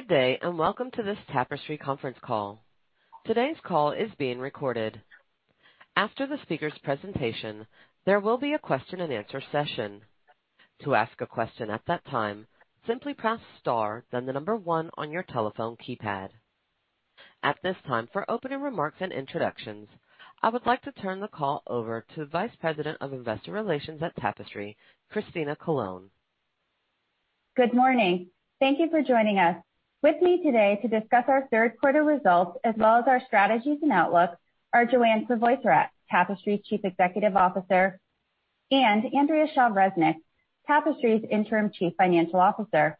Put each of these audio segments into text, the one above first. Good day. Welcome to this Tapestry conference call. Today's call is being recorded. After the speakers' presentation, there will be a question-and-answer session. To ask a question at that time, simply press star then the number one on your telephone keypad. At this time, for opening remarks and introductions, I would like to turn the call over to Vice President of Investor Relations at Tapestry, Christina Colone. Good morning. Thank you for joining us. With me today to discuss our third quarter results as well as our strategies and outlook are Joanne Crevoiserat, Tapestry's Chief Executive Officer, and Andrea Resnick, Tapestry's Interim Chief Financial Officer.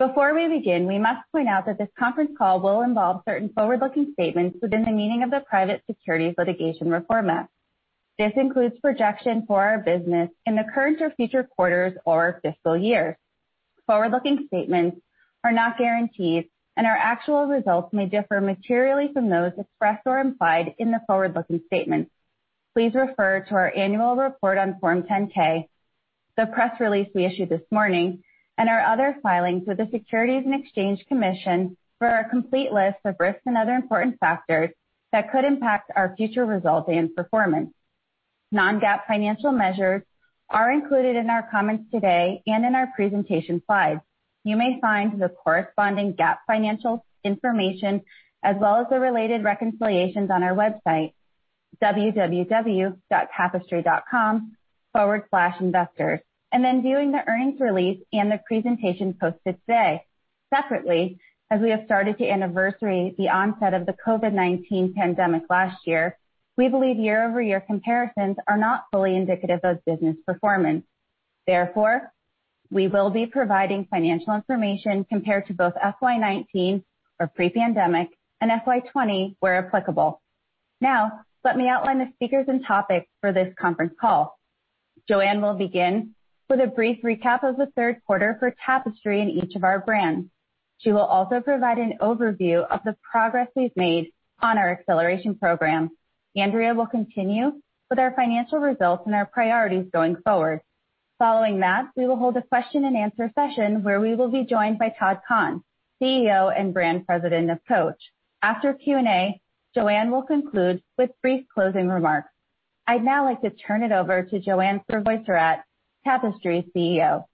Before we begin, we must point out that this conference call will involve certain forward-looking statements within the meaning of the Private Securities Litigation Reform Act. This includes projection for our business in the current or future quarters or fiscal years. Forward-looking statements are not guarantees, and our actual results may differ materially from those expressed or implied in the forward-looking statements. Please refer to our annual report on Form 10-K, the press release we issued this morning, and our other filings with the Securities and Exchange Commission for our complete list of risks and other important factors that could impact our future results and performance. Non-GAAP financial measures are included in our comments today and in our presentation slides. You may find the corresponding GAAP financial information as well as the related reconciliations on our website, www.tapestry.com/investors, and then viewing the earnings release and the presentation posted today. Separately, as we have started to anniversary the onset of the COVID-19 pandemic last year, we believe year-over-year comparisons are not fully indicative of business performance. We will be providing financial information compared to both FY 2019 or pre-pandemic and FY 2020 where applicable. Let me outline the speakers and topics for this conference call. Joanne will begin with a brief recap of the third quarter for Tapestry in each of our brands. She will also provide an overview of the progress we've made on our Acceleration Program. Andrea will continue with our financial results and our priorities going forward. Following that, we will hold a question-and-answer session where we will be joined by Todd Kahn, CEO and Brand President of Coach. After Q&A, Joanne Crevoiserat will conclude with brief closing remarks. I'd now like to turn it over to Joanne Crevoiserat, Tapestry's CEO.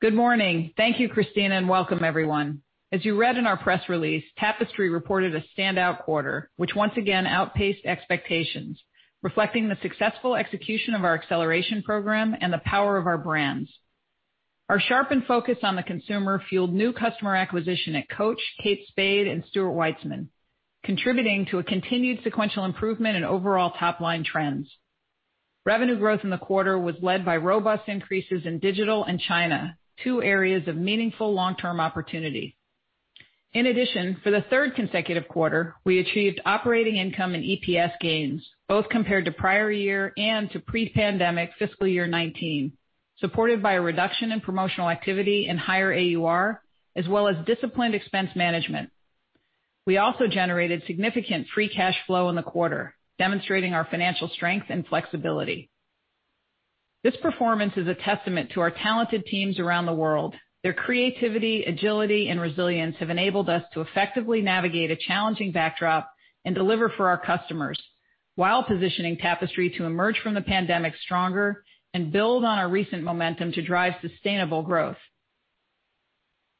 Good morning. Thank you, Christina, and welcome everyone. As you read in our press release, Tapestry reported a standout quarter, which once again outpaced expectations, reflecting the successful execution of our acceleration program and the power of our brands. Our sharpened focus on the consumer fueled new customer acquisition at Coach, Kate Spade, and Stuart Weitzman, contributing to a continued sequential improvement in overall top-line trends. Revenue growth in the quarter was led by robust increases in digital and China, two areas of meaningful long-term opportunity. In addition, for the third consecutive quarter, we achieved operating income and EPS gains, both compared to prior year and to pre-pandemic fiscal year 2019, supported by a reduction in promotional activity and higher AUR, as well as disciplined expense management. We also generated significant free cash flow in the quarter, demonstrating our financial strength and flexibility. This performance is a testament to our talented teams around the world. Their creativity, agility, and resilience have enabled us to effectively navigate a challenging backdrop and deliver for our customers while positioning Tapestry to emerge from the pandemic stronger and build on our recent momentum to drive sustainable growth.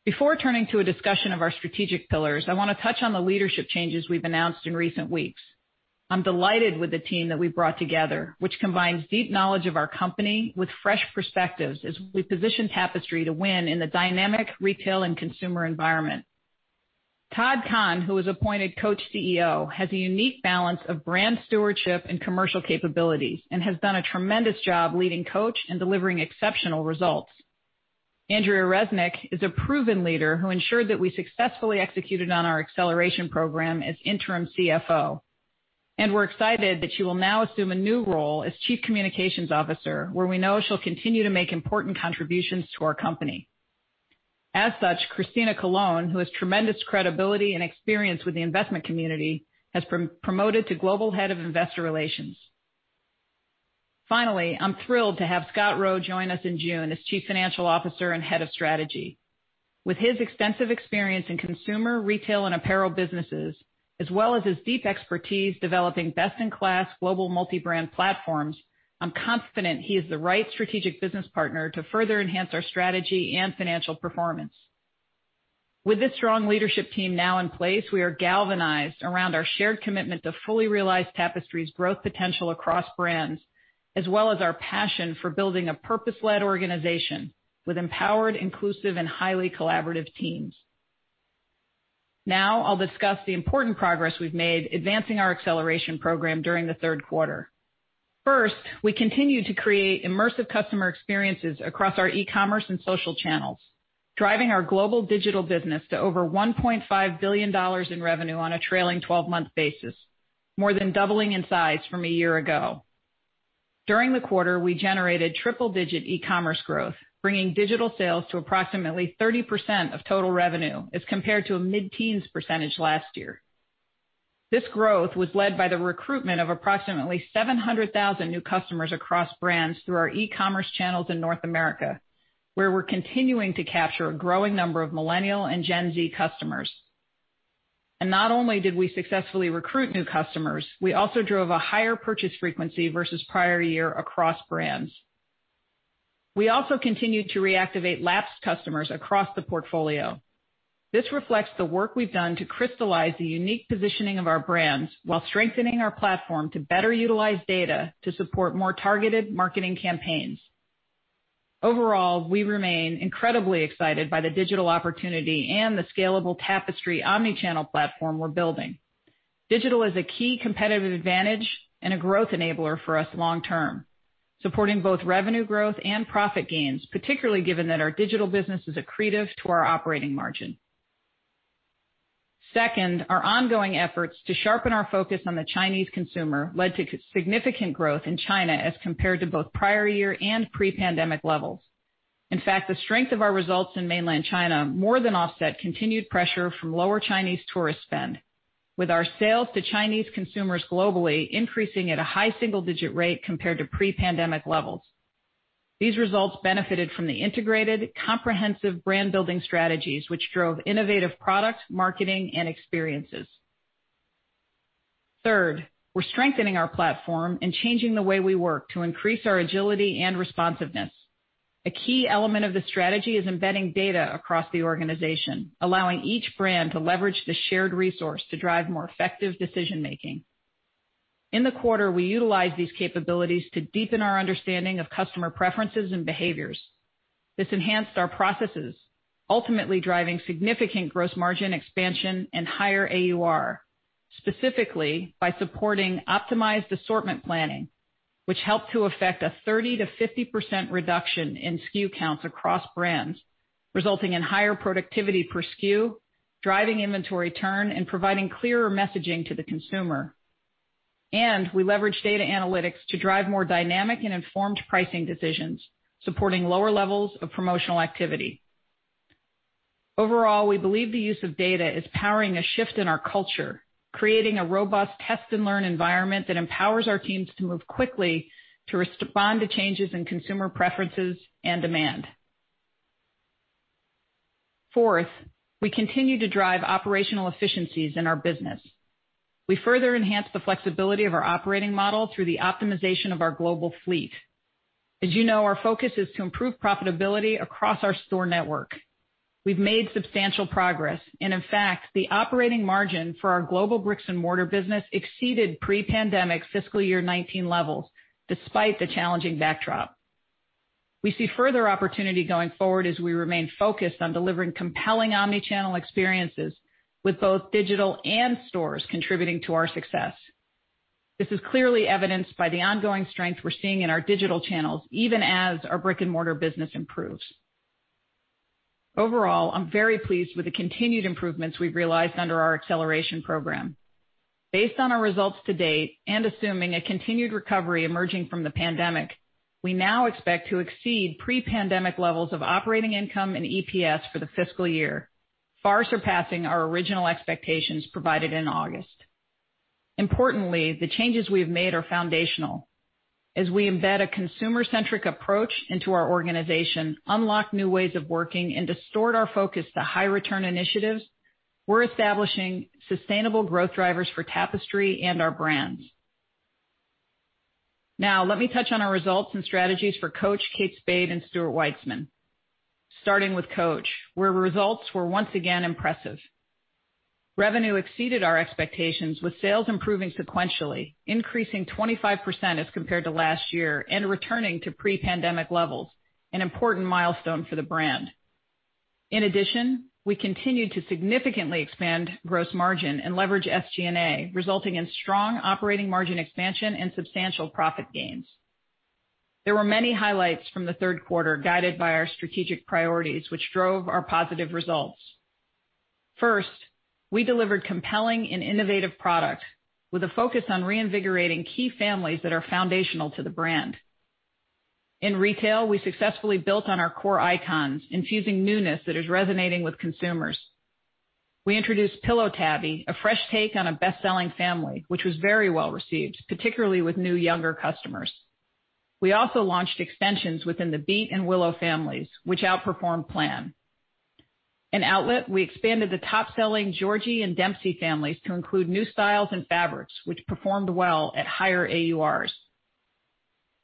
Before turning to a discussion of our strategic pillars, I want to touch on the leadership changes we've announced in recent weeks. I'm delighted with the team that we've brought together, which combines deep knowledge of our company with fresh perspectives as we position Tapestry to win in the dynamic retail and consumer environment. Todd Kahn, who was appointed Coach CEO, has a unique balance of brand stewardship and commercial capabilities and has done a tremendous job leading Coach and delivering exceptional results. Andrea Resnick is a proven leader who ensured that we successfully executed on our acceleration program as Interim CFO. We're excited that she will now assume a new role as Chief Communications Officer, where we know she'll continue to make important contributions to our company. As such, Christina Colone, who has tremendous credibility and experience with the investment community, has been promoted to global head of investor relations. Finally, I'm thrilled to have Scott Roe join us in June as Chief Financial Officer and Head of Strategy. With his extensive experience in consumer, retail, and apparel businesses, as well as his deep expertise developing best-in-class global multi-brand platforms, I'm confident he is the right strategic business partner to further enhance our strategy and financial performance. With this strong leadership team now in place, we are galvanized around our shared commitment to fully realize Tapestry's growth potential across brands, as well as our passion for building a purpose-led organization with empowered, inclusive, and highly collaborative teams. I'll discuss the important progress we've made advancing our acceleration program during the third quarter. We continue to create immersive customer experiences across our e-commerce and social channels, driving our global digital business to over $1.5 billion in revenue on a trailing 12-month basis, more than doubling in size from a year ago. During the quarter, we generated triple-digit e-commerce growth, bringing digital sales to approximately 30% of total revenue as compared to a mid-teens percentage last year. This growth was led by the recruitment of approximately 700,000 new customers across brands through our e-commerce channels in North America, where we're continuing to capture a growing number of Millennial and Gen Z customers. Not only did we successfully recruit new customers, we also drove a higher purchase frequency versus prior year across brands. We also continued to reactivate lapsed customers across the portfolio. This reflects the work we've done to crystallize the unique positioning of our brands while strengthening our platform to better utilize data to support more targeted marketing campaigns. Overall, we remain incredibly excited by the digital opportunity and the scalable Tapestry omni-channel platform we're building. Digital is a key competitive advantage and a growth enabler for us long term, supporting both revenue growth and profit gains, particularly given that our digital business is accretive to our operating margin. Second, our ongoing efforts to sharpen our focus on the Chinese consumer led to significant growth in China as compared to both prior year and pre-pandemic levels. In fact, the strength of our results in mainland China more than offset continued pressure from lower Chinese tourist spend, with our sales to Chinese consumers globally increasing at a high single-digit rate compared to pre-pandemic levels. These results benefited from the integrated comprehensive brand-building strategies, which drove innovative products, marketing, and experiences. Third, we're strengthening our platform and changing the way we work to increase our agility and responsiveness. A key element of the strategy is embedding data across the organization, allowing each brand to leverage the shared resource to drive more effective decision-making. In the quarter, we utilized these capabilities to deepen our understanding of customer preferences and behaviors. This enhanced our processes, ultimately driving significant gross margin expansion and higher AUR, specifically by supporting optimized assortment planning, which helped to effect a 30%-50% reduction in SKU counts across brands, resulting in higher productivity per SKU, driving inventory turn, and providing clearer messaging to the consumer. We leveraged data analytics to drive more dynamic and informed pricing decisions, supporting lower levels of promotional activity. Overall, we believe the use of data is powering a shift in our culture, creating a robust test-and-learn environment that empowers our teams to move quickly to respond to changes in consumer preferences and demand. Fourth, we continue to drive operational efficiencies in our business. We further enhance the flexibility of our operating model through the optimization of our global fleet. As you know, our focus is to improve profitability across our store network. We've made substantial progress and, in fact, the operating margin for our global bricks-and-mortar business exceeded pre-pandemic fiscal year 2019 levels, despite the challenging backdrop. We see further opportunity going forward as we remain focused on delivering compelling omni-channel experiences with both digital and stores contributing to our success. This is clearly evidenced by the ongoing strength we're seeing in our digital channels, even as our brick-and-mortar business improves. Overall, I'm very pleased with the continued improvements we've realized under our acceleration program. Based on our results to date, assuming a continued recovery emerging from the pandemic, we now expect to exceed pre-pandemic levels of operating income and EPS for the fiscal year, far surpassing our original expectations provided in August. Importantly, the changes we have made are foundational. As we embed a consumer-centric approach into our organization, unlock new ways of working, and direct our focus to high return initiatives, we're establishing sustainable growth drivers for Tapestry and our brands. Let me touch on our results and strategies for Coach, Kate Spade, and Stuart Weitzman. Starting with Coach, where results were once again impressive. Revenue exceeded our expectations with sales improving sequentially, increasing 25% as compared to last year, returning to pre-pandemic levels, an important milestone for the brand. We continued to significantly expand gross margin and leverage SG&A, resulting in strong operating margin expansion and substantial profit gains. There were many highlights from the third quarter guided by our strategic priorities, which drove our positive results. First, we delivered compelling and innovative product with a focus on reinvigorating key families that are foundational to the brand. In retail, we successfully built on our core icons, infusing newness that is resonating with consumers. We introduced Pillow Tabby, a fresh take on a best-selling family, which was very well-received, particularly with new younger customers. We also launched extensions within the Beat and Willow families, which outperformed plan. In outlet, we expanded the top-selling Georgie and Dempsey families to include new styles and fabrics, which performed well at higher AURs.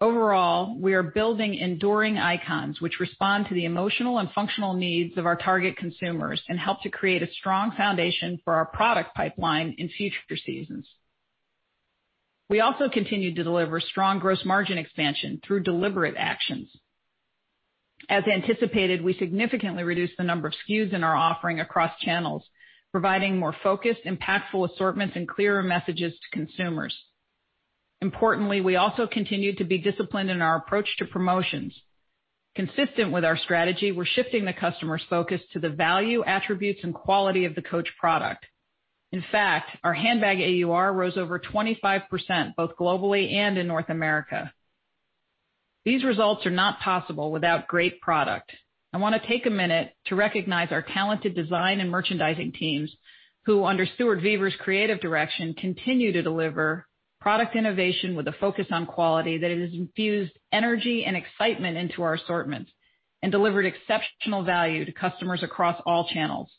Overall, we are building enduring icons which respond to the emotional and functional needs of our target consumers and help to create a strong foundation for our product pipeline in future seasons. We also continued to deliver strong gross margin expansion through deliberate actions. As anticipated, we significantly reduced the number of SKUs in our offering across channels, providing more focused, impactful assortments and clearer messages to consumers. Importantly, we also continued to be disciplined in our approach to promotions. Consistent with our strategy, we're shifting the customer's focus to the value, attributes, and quality of the Coach product. In fact, our handbag AUR rose over 25% both globally and in North America. These results are not possible without great product. I want to take a minute to recognize our talented design and merchandising teams, who under Stuart Vevers' creative direction, continue to deliver product innovation with a focus on quality that has infused energy and excitement into our assortments and delivered exceptional value to customers across all channels.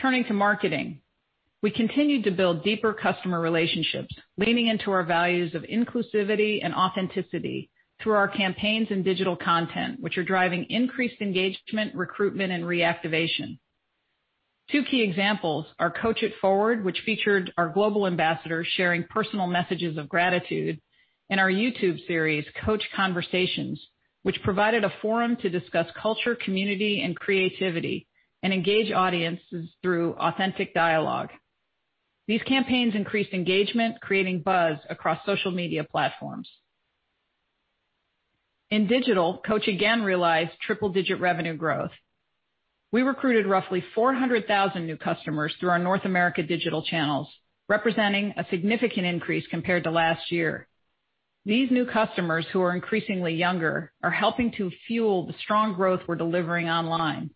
Turning to marketing, we continued to build deeper customer relationships, leaning into our values of inclusivity and authenticity through our campaigns and digital content, which are driving increased engagement, recruitment, and reactivation. Two key examples are Coach It Forward, which featured our global ambassadors sharing personal messages of gratitude, and our YouTube series, Coach Conversations, which provided a forum to discuss culture, community, and creativity and engage audiences through authentic dialogue. These campaigns increased engagement, creating buzz across social media platforms. In digital, Coach again realized triple-digit revenue growth. We recruited roughly 400,000 new customers through our North America digital channels, representing a significant increase compared to last year. These new customers, who are increasingly younger, are helping to fuel the strong growth we're delivering online.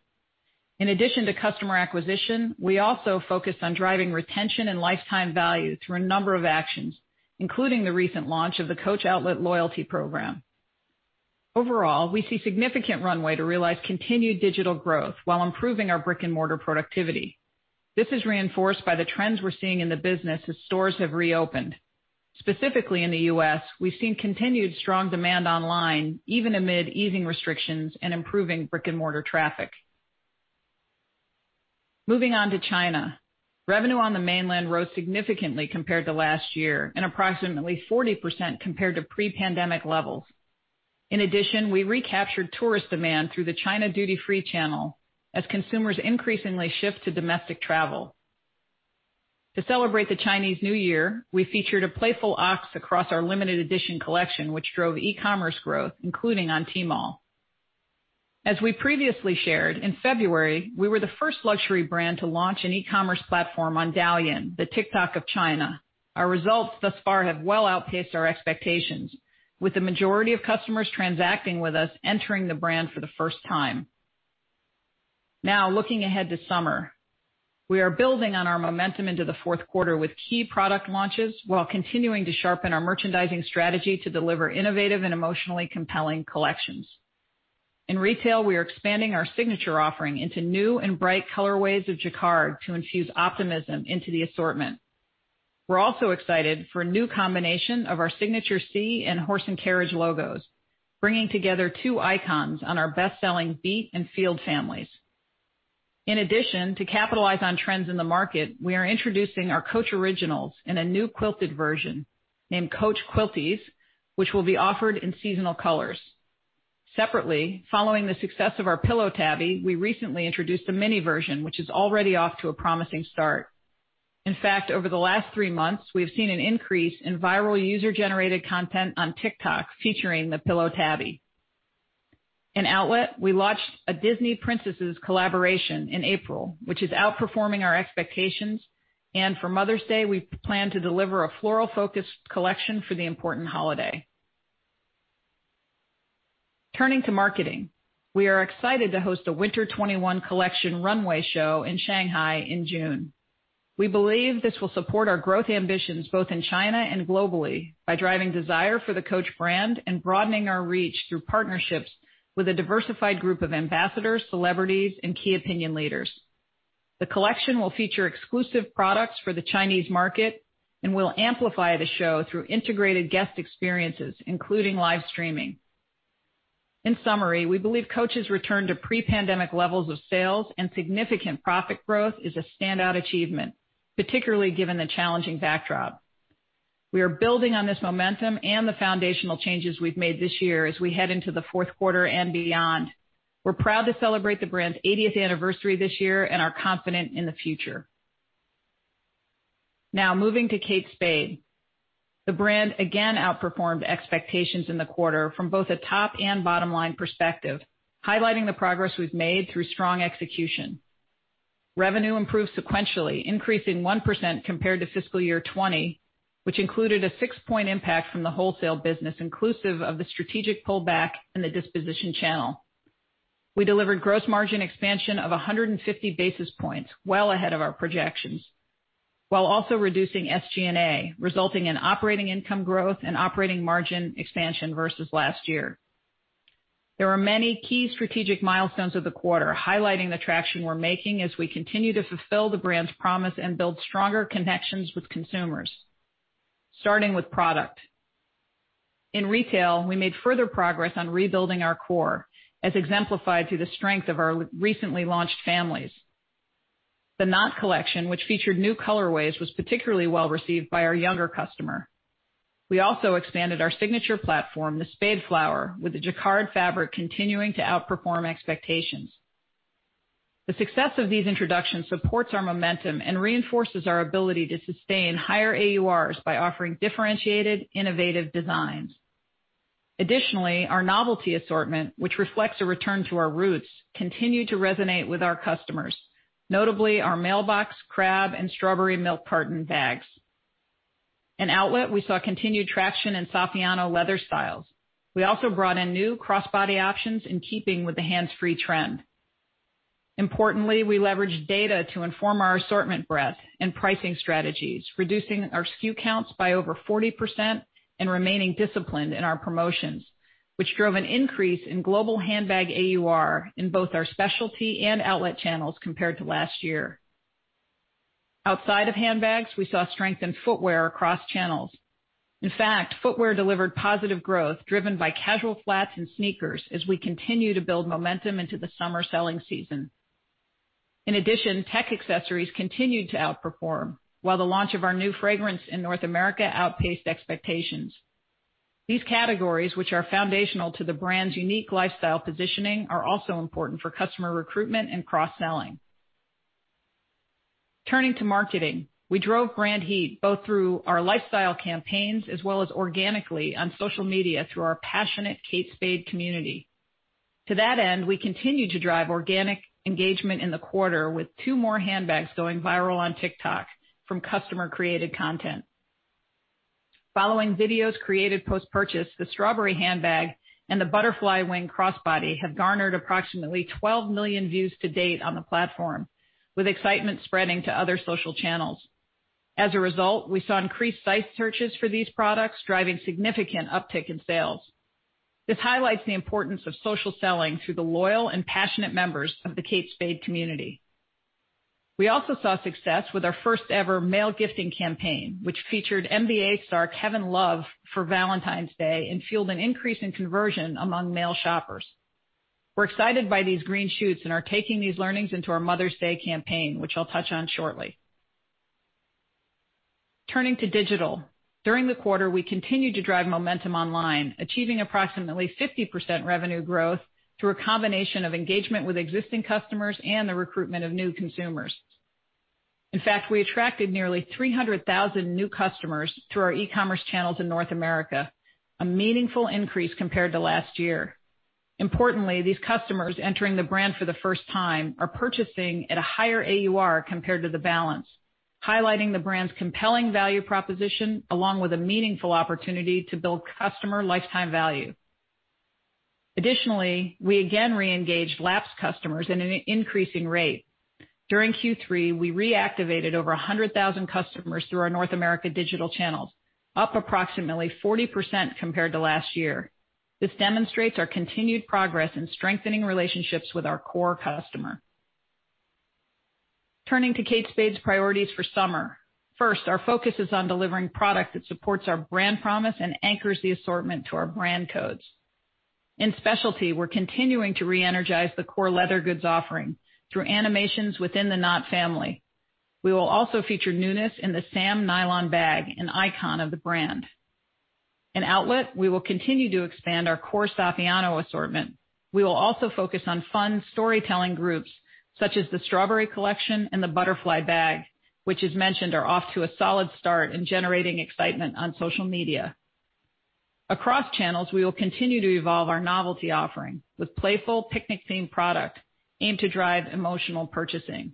In addition to customer acquisition, we also focus on driving retention and lifetime value through a number of actions, including the recent launch of the Coach Outlet loyalty program. Overall, we see significant runway to realize continued digital growth while improving our brick-and-mortar productivity. This is reinforced by the trends we're seeing in the business as stores have reopened. Specifically in the U.S., we've seen continued strong demand online, even amid easing restrictions and improving brick-and-mortar traffic. Moving on to China. Revenue on the mainland rose significantly compared to last year, and approximately 40% compared to pre-pandemic levels. In addition, we recaptured tourist demand through the China duty-free channel as consumers increasingly shift to domestic travel. To celebrate the Chinese New Year, we featured a playful ox across our limited edition collection, which drove e-commerce growth, including on Tmall. As we previously shared, in February, we were the first luxury brand to launch an e-commerce platform on Douyin, the TikTok of China. Our results thus far have well outpaced our expectations, with the majority of customers transacting with us entering the brand for the first time. Looking ahead to summer. We are building on our momentum into the fourth quarter with key product launches while continuing to sharpen our merchandising strategy to deliver innovative and emotionally compelling collections. In retail, we are expanding our signature offering into new and bright colorways of jacquard to infuse optimism into the assortment. We're also excited for a new combination of our signature C and horse and carriage logos, bringing together two icons on our best-selling Beat and Field families. In addition, to capitalize on trends in the market, we are introducing our Coach originals in a new quilted version named Coach Quilties, which will be offered in seasonal colors. Separately, following the success of our Pillow Tabby, we recently introduced a mini version, which is already off to a promising start. In fact, over the last three months, we have seen an increase in viral user-generated content on TikTok featuring the Pillow Tabby. In outlet, we launched a Disney Princesses collaboration in April, which is outperforming our expectations, and for Mother's Day, we plan to deliver a floral-focused collection for the important holiday. Turning to marketing. We are excited to host a winter 2021 collection runway show in Shanghai in June. We believe this will support our growth ambitions both in China and globally by driving desire for the Coach brand and broadening our reach through partnerships with a diversified group of ambassadors, celebrities, and key opinion leaders. The collection will feature exclusive products for the Chinese market and will amplify the show through integrated guest experiences, including live streaming. In summary, we believe Coach's return to pre-pandemic levels of sales and significant profit growth is a standout achievement, particularly given the challenging backdrop. We are building on this momentum and the foundational changes we've made this year as we head into the fourth quarter and beyond. We're proud to celebrate the brand's 80th anniversary this year and are confident in the future. Now moving to Kate Spade. The brand again outperformed expectations in the quarter from both a top and bottom-line perspective, highlighting the progress we've made through strong execution. Revenue improved sequentially, increasing 1% compared to fiscal year 2020, which included a 6-point impact from the wholesale business inclusive of the strategic pullback in the disposition channel. We delivered gross margin expansion of 150 basis points, well ahead of our projections, while also reducing SG&A, resulting in operating income growth and operating margin expansion versus last year. There are many key strategic milestones of the quarter highlighting the traction we're making as we continue to fulfill the brand's promise and build stronger connections with consumers. Starting with product. In retail, we made further progress on rebuilding our core, as exemplified through the strength of our recently launched families. The Knott collection, which featured new colorways, was particularly well received by our younger customer. We also expanded our signature platform, the Spade Flower, with the jacquard fabric continuing to outperform expectations. The success of these introductions supports our momentum and reinforces our ability to sustain higher AURs by offering differentiated, innovative designs. Additionally, our novelty assortment, which reflects a return to our roots, continued to resonate with our customers. Notably, our mailbox, crab, and strawberry milk carton bags. In outlet, we saw continued traction in Saffiano leather styles. We also brought in new crossbody options in keeping with the hands-free trend. Importantly, we leveraged data to inform our assortment breadth and pricing strategies, reducing our SKU counts by over 40% and remaining disciplined in our promotions, which drove an increase in global handbag AUR in both our specialty and outlet channels compared to last year. Outside of handbags, we saw strength in footwear across channels. In fact, footwear delivered positive growth, driven by casual flats and sneakers as we continue to build momentum into the summer selling season. In addition, tech accessories continued to outperform, while the launch of our new fragrance in North America outpaced expectations. These categories, which are foundational to the brand's unique lifestyle positioning, are also important for customer recruitment and cross-selling. Turning to marketing, we drove brand heat both through our lifestyle campaigns as well as organically on social media through our passionate Kate Spade community. To that end, we continued to drive organic engagement in the quarter with two more handbags going viral on TikTok from customer-created content. Following videos created post-purchase, the strawberry handbag and the butterfly wing crossbody have garnered approximately 12 million views to date on the platform, with excitement spreading to other social channels. As a result, we saw increased site searches for these products, driving significant uptick in sales. This highlights the importance of social selling through the loyal and passionate members of the Kate Spade community. We also saw success with our first ever male gifting campaign, which featured NBA star Kevin Love for Valentine's Day and fueled an increase in conversion among male shoppers. We're excited by these green shoots and are taking these learnings into our Mother's Day campaign, which I'll touch on shortly. Turning to digital. During the quarter, we continued to drive momentum online, achieving approximately 50% revenue growth through a combination of engagement with existing customers and the recruitment of new consumers. In fact, we attracted nearly 300,000 new customers through our e-commerce channels in North America, a meaningful increase compared to last year. Importantly, these customers entering the brand for the first time are purchasing at a higher AUR compared to the balance, highlighting the brand's compelling value proposition, along with a meaningful opportunity to build customer lifetime value. Additionally, we again re-engaged lapsed customers at an increasing rate. During Q3, we reactivated over 100,000 customers through our North America digital channels, up approximately 40% compared to last year. This demonstrates our continued progress in strengthening relationships with our core customer. Turning to Kate Spade's priorities for summer. First, our focus is on delivering product that supports our brand promise and anchors the assortment to our brand codes. In specialty, we're continuing to re-energize the core leather goods offering through animations within the Knott family. We will also feature newness in the Sam nylon bag, an icon of the brand. In outlet, we will continue to expand our core Saffiano assortment. We will also focus on fun storytelling groups such as the Strawberry Collection and the Butterfly bag, which as mentioned, are off to a solid start in generating excitement on social media. Across channels, we will continue to evolve our novelty offering with playful picnic-themed product aimed to drive emotional purchasing.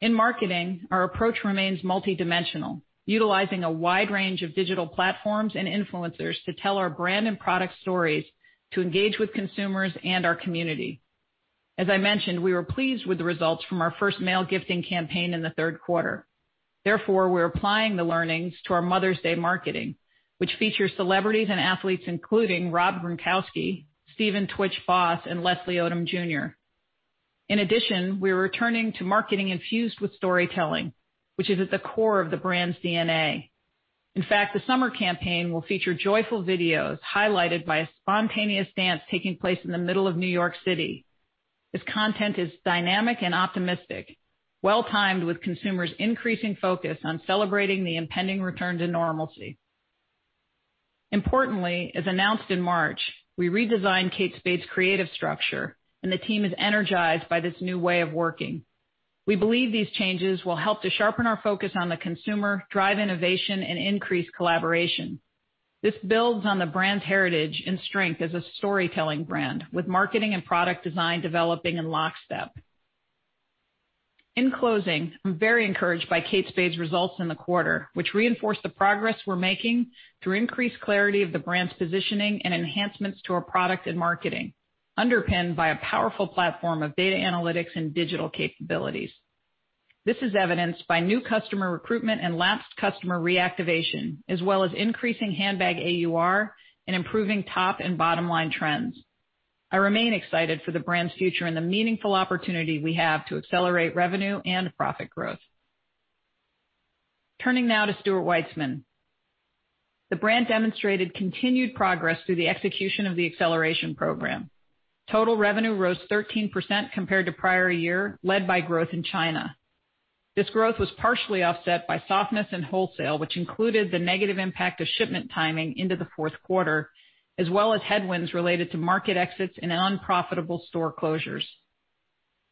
In marketing, our approach remains multidimensional, utilizing a wide range of digital platforms and influencers to tell our brand and product stories to engage with consumers and our community. As I mentioned, we were pleased with the results from our first male gifting campaign in the third quarter. Therefore, we're applying the learnings to our Mother's Day marketing, which features celebrities and athletes including Rob Gronkowski, Stephen "tWitch" Boss, and Leslie Odom Jr. In addition, we are returning to marketing infused with storytelling, which is at the core of the brand's DNA. In fact, the summer campaign will feature joyful videos highlighted by a spontaneous dance taking place in the middle of New York City. This content is dynamic and optimistic, well-timed with consumers' increasing focus on celebrating the impending return to normalcy. As announced in March, we redesigned Kate Spade's creative structure, and the team is energized by this new way of working. We believe these changes will help to sharpen our focus on the consumer, drive innovation, and increase collaboration. This builds on the brand's heritage and strength as a storytelling brand, with marketing and product design developing in lockstep. In closing, I'm very encouraged by Kate Spade's results in the quarter, which reinforce the progress we're making through increased clarity of the brand's positioning and enhancements to our product and marketing, underpinned by a powerful platform of data analytics and digital capabilities. This is evidenced by new customer recruitment and lapsed customer reactivation, as well as increasing handbag AUR and improving top and bottom line trends. I remain excited for the brand's future and the meaningful opportunity we have to accelerate revenue and profit growth. Turning now to Stuart Weitzman. The brand demonstrated continued progress through the execution of the acceleration program. Total revenue rose 13% compared to prior year, led by growth in China. This growth was partially offset by softness in wholesale, which included the negative impact of shipment timing into the fourth quarter, as well as headwinds related to market exits and unprofitable store closures.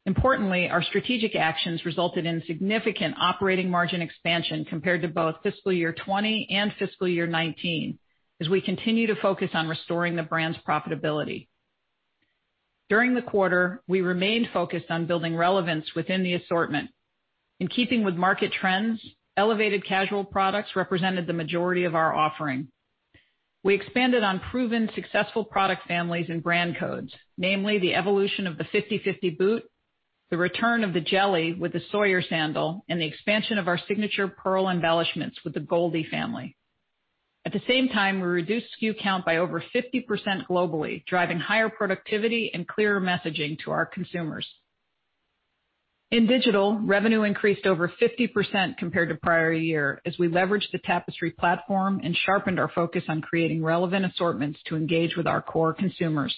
Importantly, our strategic actions resulted in significant operating margin expansion compared to both fiscal year 2020 and fiscal year 2019. As we continue to focus on restoring the brand's profitability. During the quarter, we remained focused on building relevance within the assortment. In keeping with market trends, elevated casual products represented the majority of our offering. We expanded on proven successful product families and brand codes, namely the evolution of the 5050 boot, the return of the Jelly with the Sawyer sandal, and the expansion of our signature pearl embellishments with the Goldie family. At the same time, we reduced SKU count by over 50% globally, driving higher productivity and clearer messaging to our consumers. In digital, revenue increased over 50% compared to prior year, as we leveraged the Tapestry platform and sharpened our focus on creating relevant assortments to engage with our core consumers.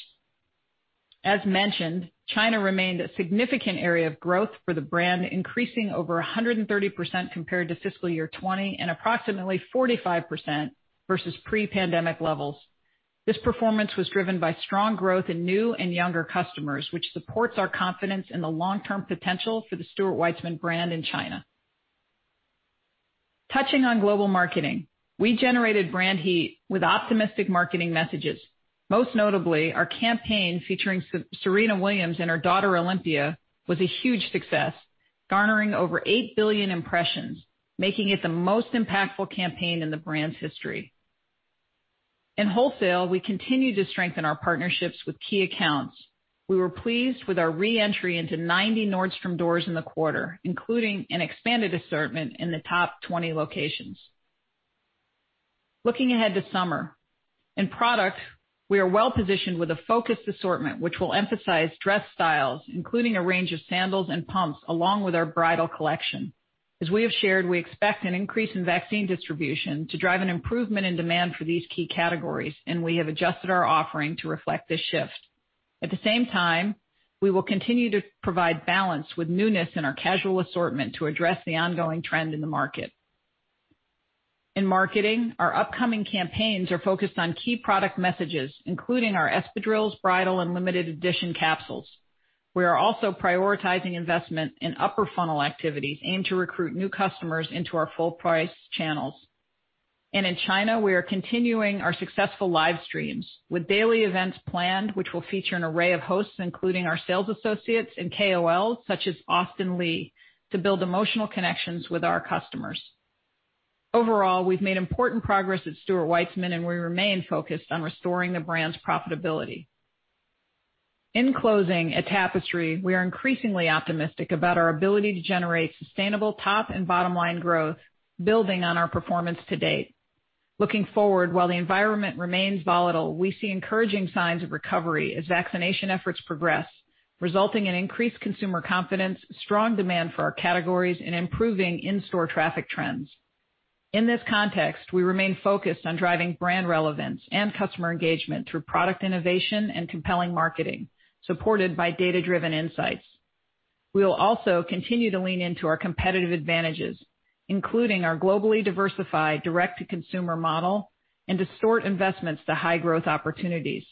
As mentioned, China remained a significant area of growth for the brand, increasing over 130% compared to fiscal year 2020, and approximately 45% versus pre-pandemic levels. This performance was driven by strong growth in new and younger customers, which supports our confidence in the long-term potential for the Stuart Weitzman brand in China. Touching on global marketing, we generated brand heat with optimistic marketing messages. Most notably, our campaign featuring Serena Williams and her daughter, Olympia, was a huge success, garnering over 8 billion impressions, making it the most impactful campaign in the brand's history. In wholesale, we continued to strengthen our partnerships with key accounts. We were pleased with our re-entry into 90 Nordstrom doors in the quarter, including an expanded assortment in the top 20 locations. Looking ahead to summer. In product, we are well-positioned with a focused assortment, which will emphasize dress styles, including a range of sandals and pumps, along with our bridal collection. As we have shared, we expect an increase in vaccine distribution to drive an improvement in demand for these key categories, and we have adjusted our offering to reflect this shift. At the same time, we will continue to provide balance with newness in our casual assortment to address the ongoing trend in the market. In marketing, our upcoming campaigns are focused on key product messages, including our espadrilles, bridal, and limited edition capsules. We are also prioritizing investment in upper funnel activities aimed to recruit new customers into our full-price channels. In China, we are continuing our successful live streams with daily events planned, which will feature an array of hosts, including our sales associates and KOL, such as Austin Li, to build emotional connections with our customers. Overall, we've made important progress at Stuart Weitzman, and we remain focused on restoring the brand's profitability. In closing, at Tapestry, we are increasingly optimistic about our ability to generate sustainable top and bottom-line growth, building on our performance to date. Looking forward, while the environment remains volatile, we see encouraging signs of recovery as vaccination efforts progress, resulting in increased consumer confidence, strong demand for our categories, and improving in-store traffic trends. In this context, we remain focused on driving brand relevance and customer engagement through product innovation and compelling marketing, supported by data-driven insights. We will also continue to lean into our competitive advantages, including our globally diversified direct-to-consumer model and to sort investments to high-growth opportunities.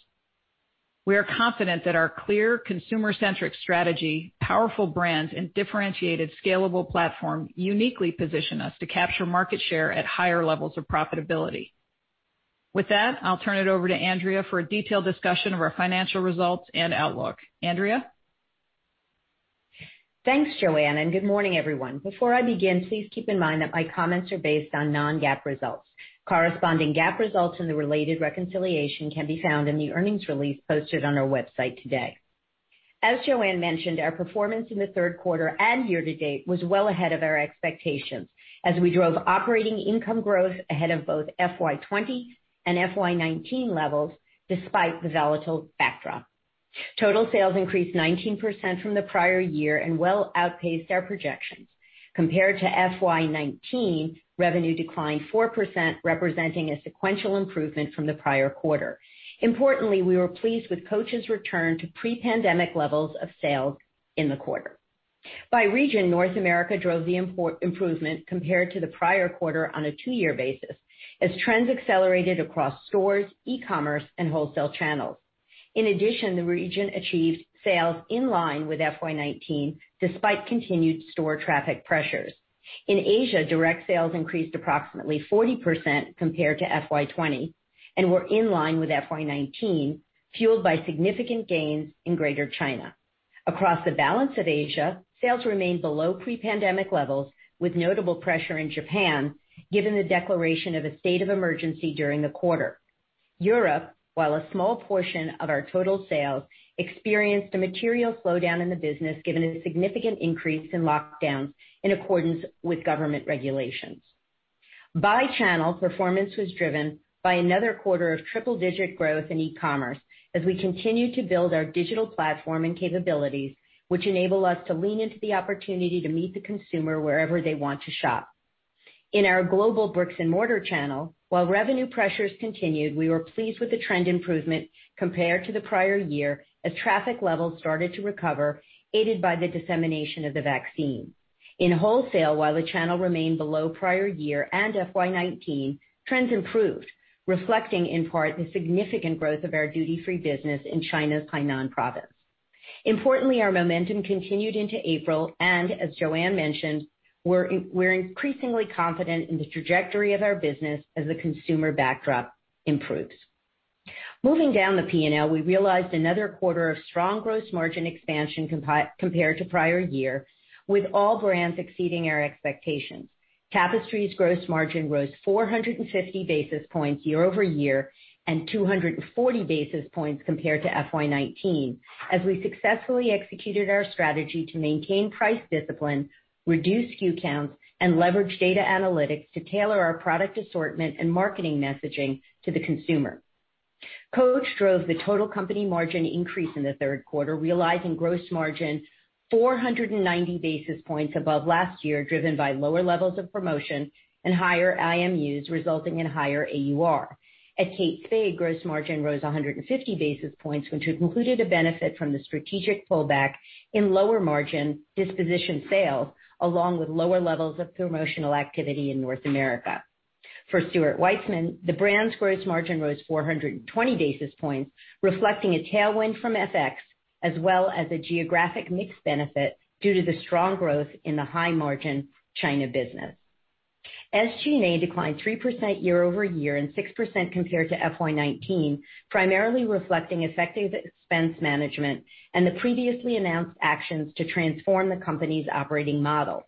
We are confident that our clear consumer-centric strategy, powerful brands, and differentiated scalable platform uniquely position us to capture market share at higher levels of profitability. With that, I'll turn it over to Andrea for a detailed discussion of our financial results and outlook. Andrea? Thanks, Joanne. Good morning, everyone. Before I begin, please keep in mind that my comments are based on non-GAAP results. Corresponding GAAP results and the related reconciliation can be found in the earnings release posted on our website today. As Joanne mentioned, our performance in the third quarter and year to date was well ahead of our expectations as we drove operating income growth ahead of both FY 2020 and FY 2019 levels, despite the volatile backdrop. Total sales increased 19% from the prior year and well outpaced our projections. Compared to FY 2019, revenue declined 4%, representing a sequential improvement from the prior quarter. Importantly, we were pleased with Coach's return to pre-pandemic levels of sales in the quarter. By region, North America drove the improvement compared to the prior quarter on a two-year basis as trends accelerated across stores, e-commerce, and wholesale channels. In addition, the region achieved sales in line with FY 2019, despite continued store traffic pressures. In Asia, direct sales increased approximately 40% compared to FY 2020 and were in line with FY 2019, fueled by significant gains in Greater China. Across the balance of Asia, sales remained below pre-pandemic levels, with notable pressure in Japan given the declaration of a state of emergency during the quarter. Europe, while a small portion of our total sales, experienced a material slowdown in the business given a significant increase in lockdowns in accordance with government regulations. By channel, performance was driven by another quarter of triple-digit growth in e-commerce as we continue to build our digital platform and capabilities, which enable us to lean into the opportunity to meet the consumer wherever they want to shop. In our global bricks-and-mortar channel, while revenue pressures continued, we were pleased with the trend improvement compared to the prior year as traffic levels started to recover, aided by the dissemination of the vaccine. In wholesale, while the channel remained below prior year and FY19, trends improved, reflecting in part the significant growth of our duty-free business in China's Hainan province. Importantly, our momentum continued into April, and as Joanne mentioned, we're increasingly confident in the trajectory of our business as the consumer backdrop improves. Moving down the P&L, we realized another quarter of strong gross margin expansion compared to prior year, with all brands exceeding our expectations. Tapestry's gross margin rose 450 basis points year-over-year and 240 basis points compared to FY 2019, as we successfully executed our strategy to maintain price discipline, reduce SKU counts, and leverage data analytics to tailor our product assortment and marketing messaging to the consumer. Coach drove the total company margin increase in the third quarter, realizing gross margin 490 basis points above last year, driven by lower levels of promotion and higher IMUs, resulting in higher AUR. At Kate Spade, gross margin rose 150 basis points, which included a benefit from the strategic pullback in lower-margin disposition sales, along with lower levels of promotional activity in North America. For Stuart Weitzman, the brand's gross margin rose 420 basis points, reflecting a tailwind from FX as well as a geographic mix benefit due to the strong growth in the high-margin China business. SG&A declined 3% year-over-year and 6% compared to FY19, primarily reflecting effective expense management and the previously announced actions to transform the company's operating model.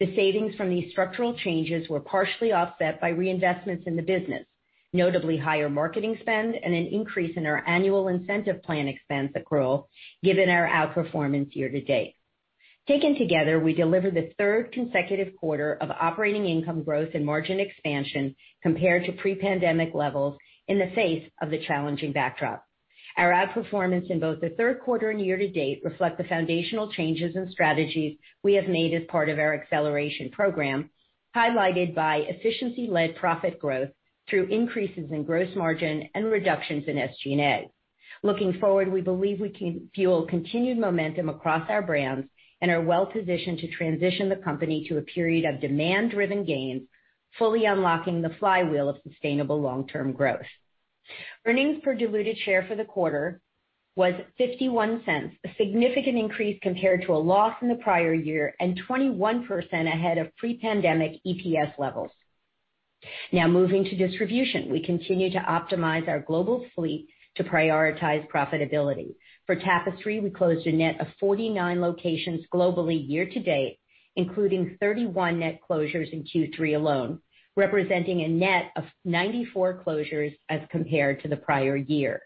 The savings from these structural changes were partially offset by reinvestments in the business, notably higher marketing spend and an increase in our annual incentive plan expense accrual given our outperformance year-to-date. Taken together, we delivered the third consecutive quarter of operating income growth and margin expansion compared to pre-pandemic levels in the face of the challenging backdrop. Our outperformance in both the third quarter and year-to-date reflect the foundational changes in strategies we have made as part of our acceleration program, highlighted by efficiency-led profit growth through increases in gross margin and reductions in SG&A. Looking forward, we believe we can fuel continued momentum across our brands and are well-positioned to transition the company to a period of demand-driven gains, fully unlocking the flywheel of sustainable long-term growth. Earnings per diluted share for the quarter was $0.51, a significant increase compared to a loss in the prior year and 21% ahead of pre-pandemic EPS levels. Moving to distribution. We continue to optimize our global fleet to prioritize profitability. For Tapestry, we closed a net of 49 locations globally year to date, including 31 net closures in Q3 alone, representing a net of 94 closures as compared to the prior year.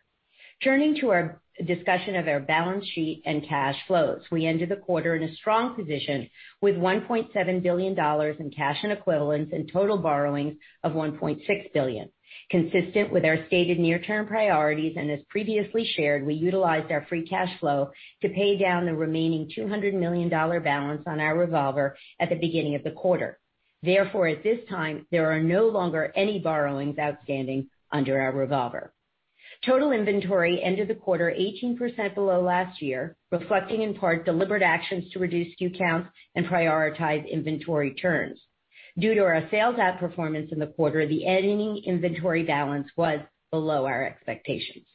Turning to our discussion of our balance sheet and cash flows. We ended the quarter in a strong position with $1.7 billion in cash and equivalents and total borrowings of $1.6 billion. Consistent with our stated near-term priorities and as previously shared, we utilized our free cash flow to pay down the remaining $200 million balance on our revolver at the beginning of the quarter. At this time, there are no longer any borrowings outstanding under our revolver. Total inventory ended the quarter 18% below last year, reflecting in part deliberate actions to reduce SKU counts and prioritize inventory turns. Due to our sales outperformance in the quarter, the ending inventory balance was below our expectations.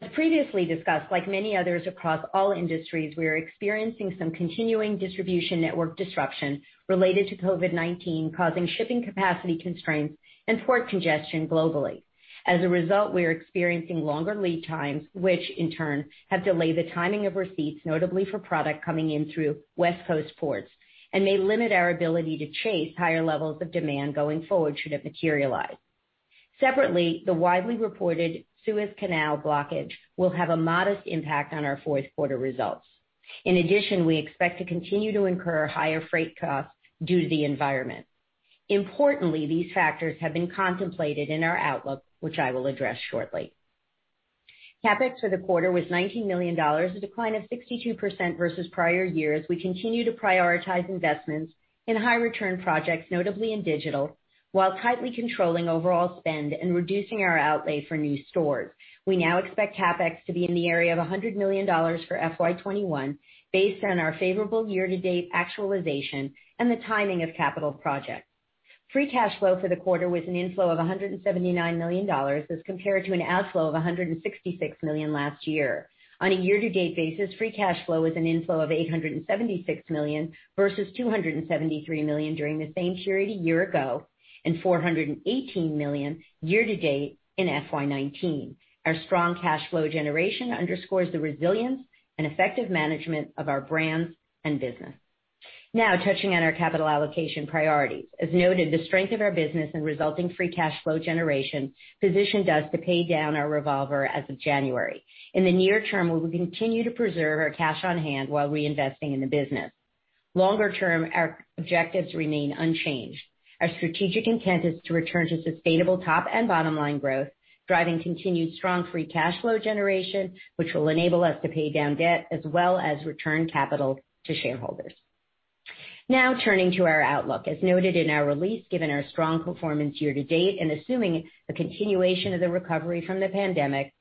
As previously discussed, like many others across all industries, we are experiencing some continuing distribution network disruption related to COVID-19, causing shipping capacity constraints and port congestion globally. As a result, we are experiencing longer lead times, which in turn have delayed the timing of receipts, notably for product coming in through West Coast ports, and may limit our ability to chase higher levels of demand going forward should it materialize. Separately, the widely reported Suez Canal blockage will have a modest impact on our fourth quarter results. In addition, we expect to continue to incur higher freight costs due to the environment. Importantly, these factors have been contemplated in our outlook, which I will address shortly. CapEx for the quarter was $19 million, a decline of 62% versus prior years. We continue to prioritize investments in high-return projects, notably in digital, while tightly controlling overall spend and reducing our outlay for new stores. We now expect CapEx to be in the area of $100 million for FY 2021 based on our favorable year-to-date actualization and the timing of capital projects. Free cash flow for the quarter was an inflow of $179 million as compared to an outflow of $166 million last year. On a year-to-date basis, free cash flow was an inflow of $876 million, versus $273 million during the same period a year ago and $418 million year-to-date in FY 2019. Our strong cash flow generation underscores the resilience and effective management of our brands and business. Now touching on our capital allocation priorities. As noted, the strength of our business and resulting free cash flow generation positions us to pay down our revolver as of January. In the near term, we will continue to preserve our cash on hand while reinvesting in the business. Longer term, our objectives remain unchanged. Our strategic intent is to return to sustainable top and bottom-line growth, driving continued strong free cash flow generation, which will enable us to pay down debt as well as return capital to shareholders. Turning to our outlook. As noted in our release, given our strong performance year-to-date and assuming a continuation of the recovery from the pandemic,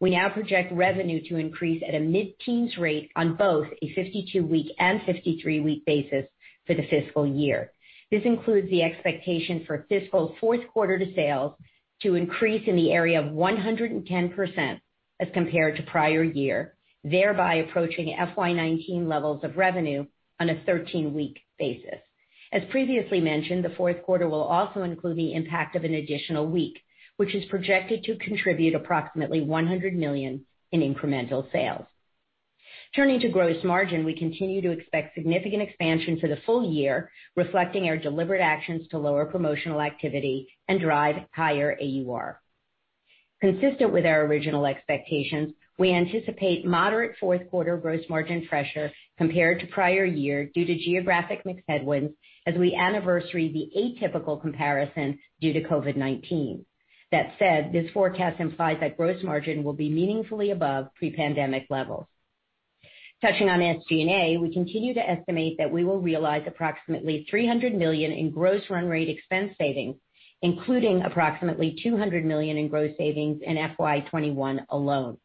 we now project revenue to increase at a mid-teens rate on both a 52-week and 53-week basis for the fiscal year. This includes the expectation for fiscal fourth quarter to sales to increase in the area of 110% as compared to prior year, thereby approaching FY 2019 levels of revenue on a 13-week basis. As previously mentioned, the fourth quarter will also include the impact of an additional week, which is projected to contribute approximately $100 million in incremental sales. Turning to gross margin, we continue to expect significant expansion for the full year, reflecting our deliberate actions to lower promotional activity and drive higher AUR. Consistent with our original expectations, we anticipate moderate fourth quarter gross margin pressure compared to prior year due to geographic mix headwinds as we anniversary the atypical comparison due to COVID-19. That said, this forecast implies that gross margin will be meaningfully above pre-pandemic levels. Touching on SG&A, we continue to estimate that we will realize approximately $300 million in gross run rate expense savings, including approximately $200 million in gross savings in FY 2021 alone.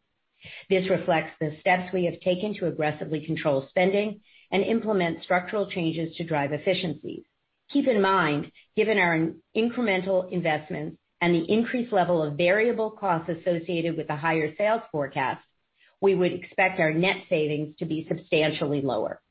This reflects the steps we have taken to aggressively control spending and implement structural changes to drive efficiency. Keep in mind, given our incremental investments and the increased level of variable costs associated with the higher sales forecast, we would expect our net savings to be substantially lower.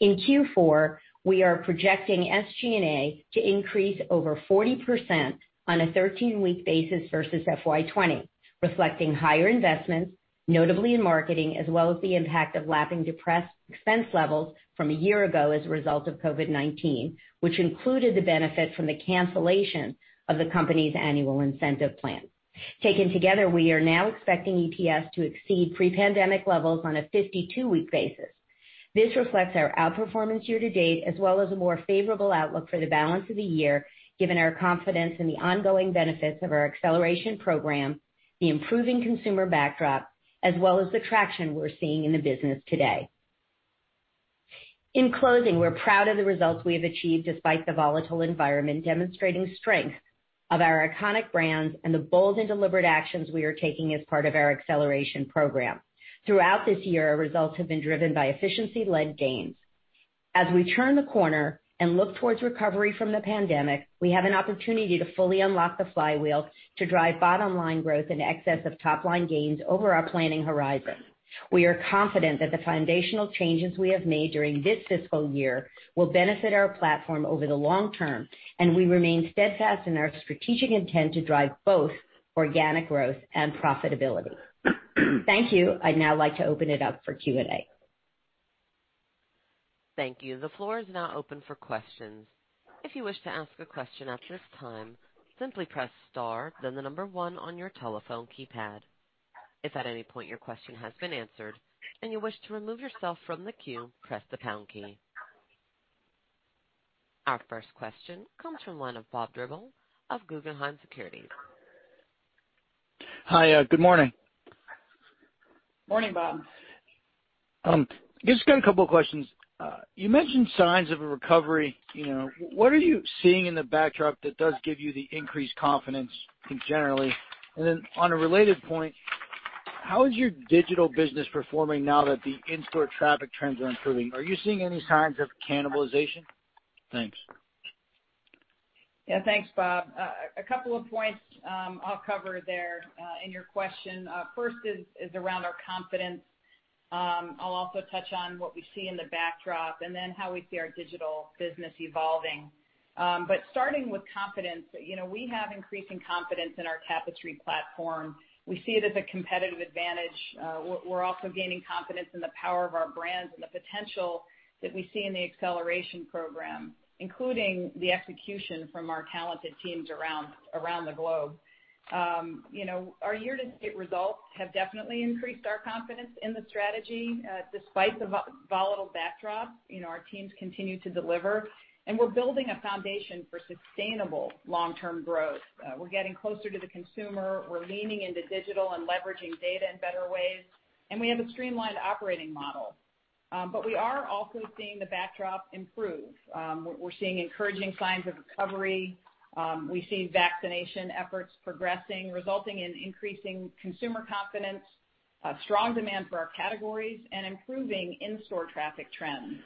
In Q4, we are projecting SG&A to increase over 40% on a 13-week basis versus FY 2020, reflecting higher investments, notably in marketing, as well as the impact of lapping depressed expense levels from a year ago as a result of COVID-19, which included the benefit from the cancellation of the company's annual incentive plan. Taken together, we are now expecting EPS to exceed pre-pandemic levels on a 52-week basis. This reflects our outperformance year to date, as well as a more favorable outlook for the balance of the year, given our confidence in the ongoing benefits of our acceleration program, the improving consumer backdrop, as well as the traction we're seeing in the business today. In closing, we're proud of the results we have achieved despite the volatile environment, demonstrating strength of our iconic brands and the bold and deliberate actions we are taking as part of our acceleration program. Throughout this year, our results have been driven by efficiency-led gains. As we turn the corner and look towards recovery from the pandemic, we have an opportunity to fully unlock the flywheel to drive bottom-line growth in excess of top-line gains over our planning horizon. We are confident that the foundational changes we have made during this fiscal year will benefit our platform over the long term, and we remain steadfast in our strategic intent to drive both organic growth and profitability. Thank you. I'd now like to open it up for Q&A. Thank you. The floor is now open for questions. Our first question comes from the line of Bob Drbul of Guggenheim Securities. Hi. Good morning. Morning, Bob. Got a couple of questions. You mentioned signs of a recovery. What are you seeing in the backdrop that does give you the increased confidence generally? On a related point, how is your digital business performing now that the in-store traffic trends are improving? Are you seeing any signs of cannibalization? Thanks. Yeah. Thanks, Bob. A couple of points I'll cover there in your question. First is around our confidence. I'll also touch on what we see in the backdrop, how we see our digital business evolving. Starting with confidence, we have increasing confidence in our Tapestry platform. We see it as a competitive advantage. We're also gaining confidence in the power of our brands and the potential that we see in the Acceleration Program, including the execution from our talented teams around the globe. Our year-to-date results have definitely increased our confidence in the strategy. Despite the volatile backdrop, our teams continue to deliver, and we're building a foundation for sustainable long-term growth. We're getting closer to the consumer. We're leaning into digital and leveraging data in better ways, and we have a streamlined operating model. We are also seeing the backdrop improve. We're seeing encouraging signs of recovery. We see vaccination efforts progressing, resulting in increasing consumer confidence, strong demand for our categories, and improving in-store traffic trends.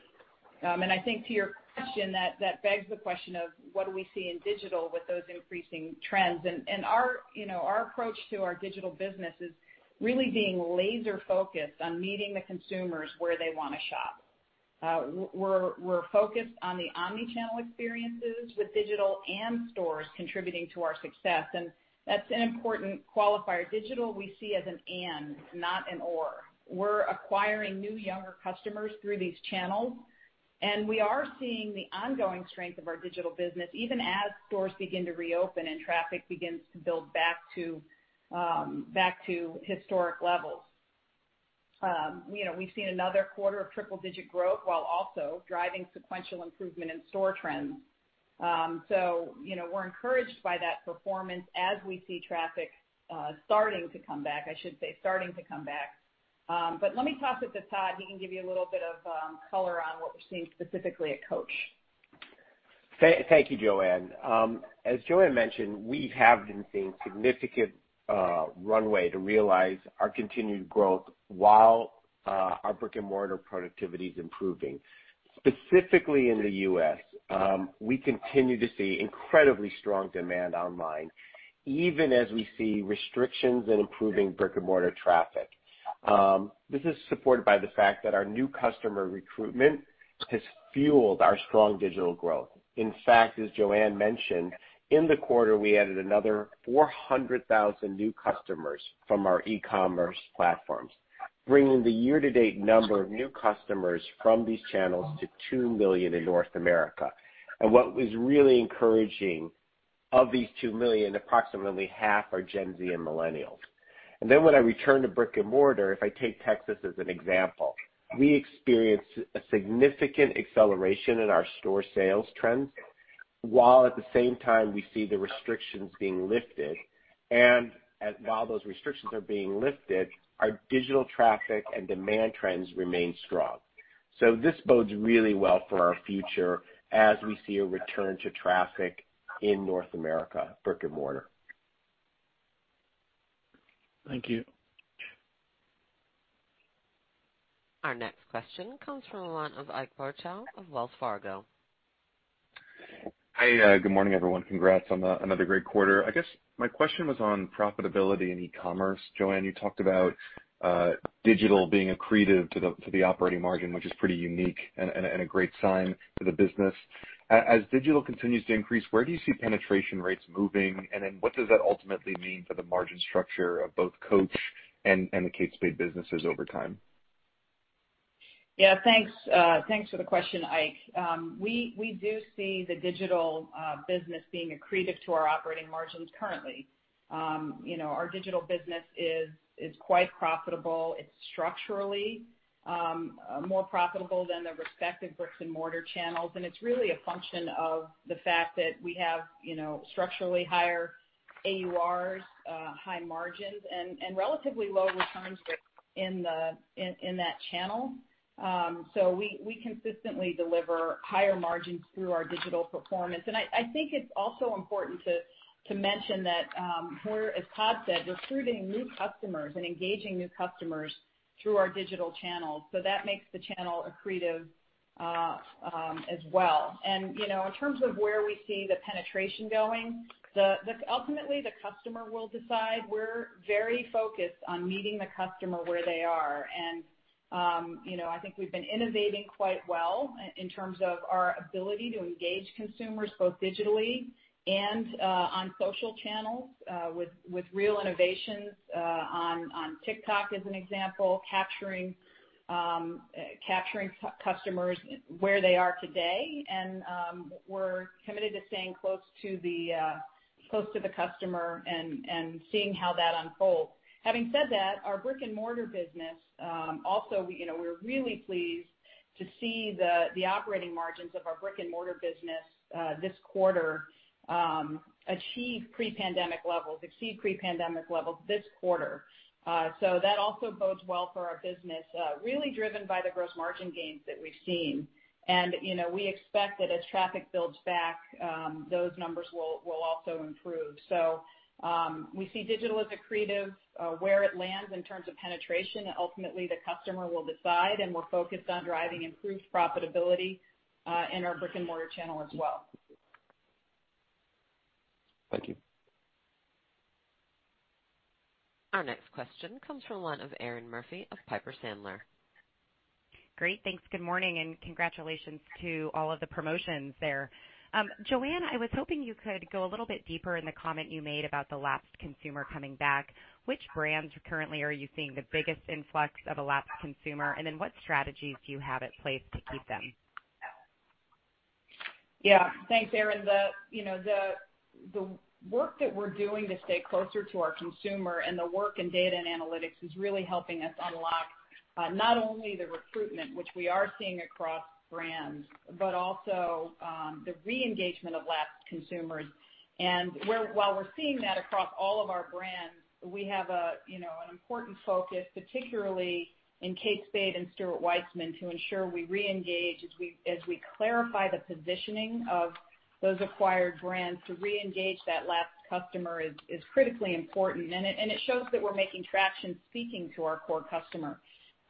I think to your question, that begs the question of what do we see in digital with those increasing trends. Our approach to our digital business is really being laser-focused on meeting the consumers where they want to shop. We're focused on the omnichannel experiences with digital and stores contributing to our success, and that's an important qualifier. Digital we see as an and, not an or. We're acquiring new, younger customers through these channels, and we are seeing the ongoing strength of our digital business, even as stores begin to reopen and traffic begins to build back to historic levels. We've seen another quarter of triple-digit growth while also driving sequential improvement in store trends. We're encouraged by that performance as we see traffic starting to come back. I should say, starting to come back. Let me toss it to Todd. He can give you a little bit of color on what we're seeing specifically at Coach. Thank you, Joanne. As Joanne mentioned, we have been seeing significant runway to realize our continued growth while our brick-and-mortar productivity is improving. Specifically in the U.S., we continue to see incredibly strong demand online even as we see restrictions in improving brick-and-mortar traffic. This is supported by the fact that our new customer recruitment has fueled our strong digital growth. In fact, as Joanne mentioned, in the quarter, we added another 400,000 new customers from our e-commerce platforms, bringing the year-to-date number of new customers from these channels to 2 million in North America. What was really encouraging, of these 2 million, approximately half are Gen Z and millennials. When I return to brick-and-mortar, if I take Texas as an example, we experienced a significant acceleration in our store sales trends, while at the same time, we see the restrictions being lifted. While those restrictions are being lifted, our digital traffic and demand trends remain strong. This bodes really well for our future as we see a return to traffic in North America brick-and-mortar. Thank you. Our next question comes from the line of Ike Boruchow of Wells Fargo. Hi. Good morning, everyone. Congrats on another great quarter. I guess my question was on profitability and e-commerce. Joanne Crevoiserat, you talked about digital being accretive to the operating margin, which is pretty unique and a great sign for the business. As digital continues to increase, where do you see penetration rates moving? What does that ultimately mean for the margin structure of both Coach and the Kate Spade businesses over time? Yeah. Thanks for the question, Ike. We do see the digital business being accretive to our operating margins currently. Our digital business is quite profitable. It's structurally more profitable than the respective bricks-and-mortar channels, and it's really a function of the fact that we have structurally higher AURs, high margins, and relatively low returns in that channel. We consistently deliver higher margins through our digital performance. I think it's also important to mention that we're, as Todd said, recruiting new customers and engaging new customers through our digital channels. That makes the channel accretive as well. In terms of where we see the penetration going, ultimately the customer will decide. We're very focused on meeting the customer where they are, and I think we've been innovating quite well in terms of our ability to engage consumers both digitally and on social channels, with real innovations on TikTok, as an example, capturing customers where they are today. We're committed to staying close to the customer and seeing how that unfolds. Having said that, our brick-and-mortar business, also, we're really pleased to see the operating margins of our brick-and-mortar business this quarter achieve pre-pandemic levels, exceed pre-pandemic levels this quarter. That also bodes well for our business, really driven by the gross margin gains that we've seen. We expect that as traffic builds back, those numbers will also improve. We see digital as accretive. Where it lands in terms of penetration, ultimately the customer will decide. We're focused on driving improved profitability in our brick-and-mortar channel as well. Thank you. Our next question comes from the line of Erinn Murphy of Piper Sandler. Great. Thanks. Good morning. Congratulations to all of the promotions there. Joanne, I was hoping you could go a little bit deeper in the comment you made about the lapsed consumer coming back. Which brands currently are you seeing the biggest influx of a lapsed consumer? What strategies do you have in place to keep them? Yeah. Thanks, Erinn. The work that we're doing to stay closer to our consumer and the work in data and analytics is really helping us unlock not only the recruitment, which we are seeing across brands, but also the re-engagement of lapsed consumers. While we're seeing that across all of our brands, we have an important focus, particularly in Kate Spade and Stuart Weitzman, to ensure we re-engage as we clarify the positioning of those acquired brands to reengage that lapsed customer is critically important, and it shows that we're making traction speaking to our core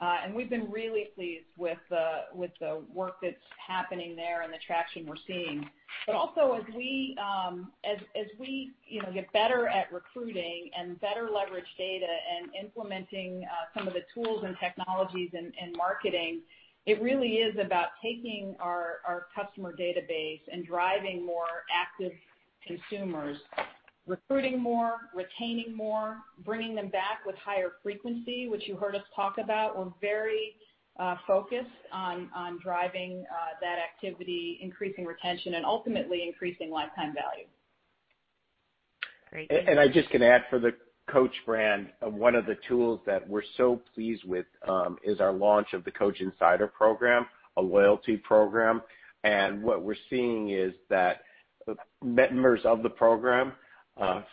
customer. We've been really pleased with the work that's happening there and the traction we're seeing. Also as we get better at recruiting and better leverage data and implementing some of the tools and technologies in marketing, it really is about taking our customer database and driving more active consumers, recruiting more, retaining more, bringing them back with higher frequency, which you heard us talk about. We're very focused on driving that activity, increasing retention, and ultimately increasing lifetime value. Great. I just can add for the Coach brand, one of the tools that we're so pleased with is our launch of the Coach Insider program, a loyalty program. What we're seeing is that members of the program,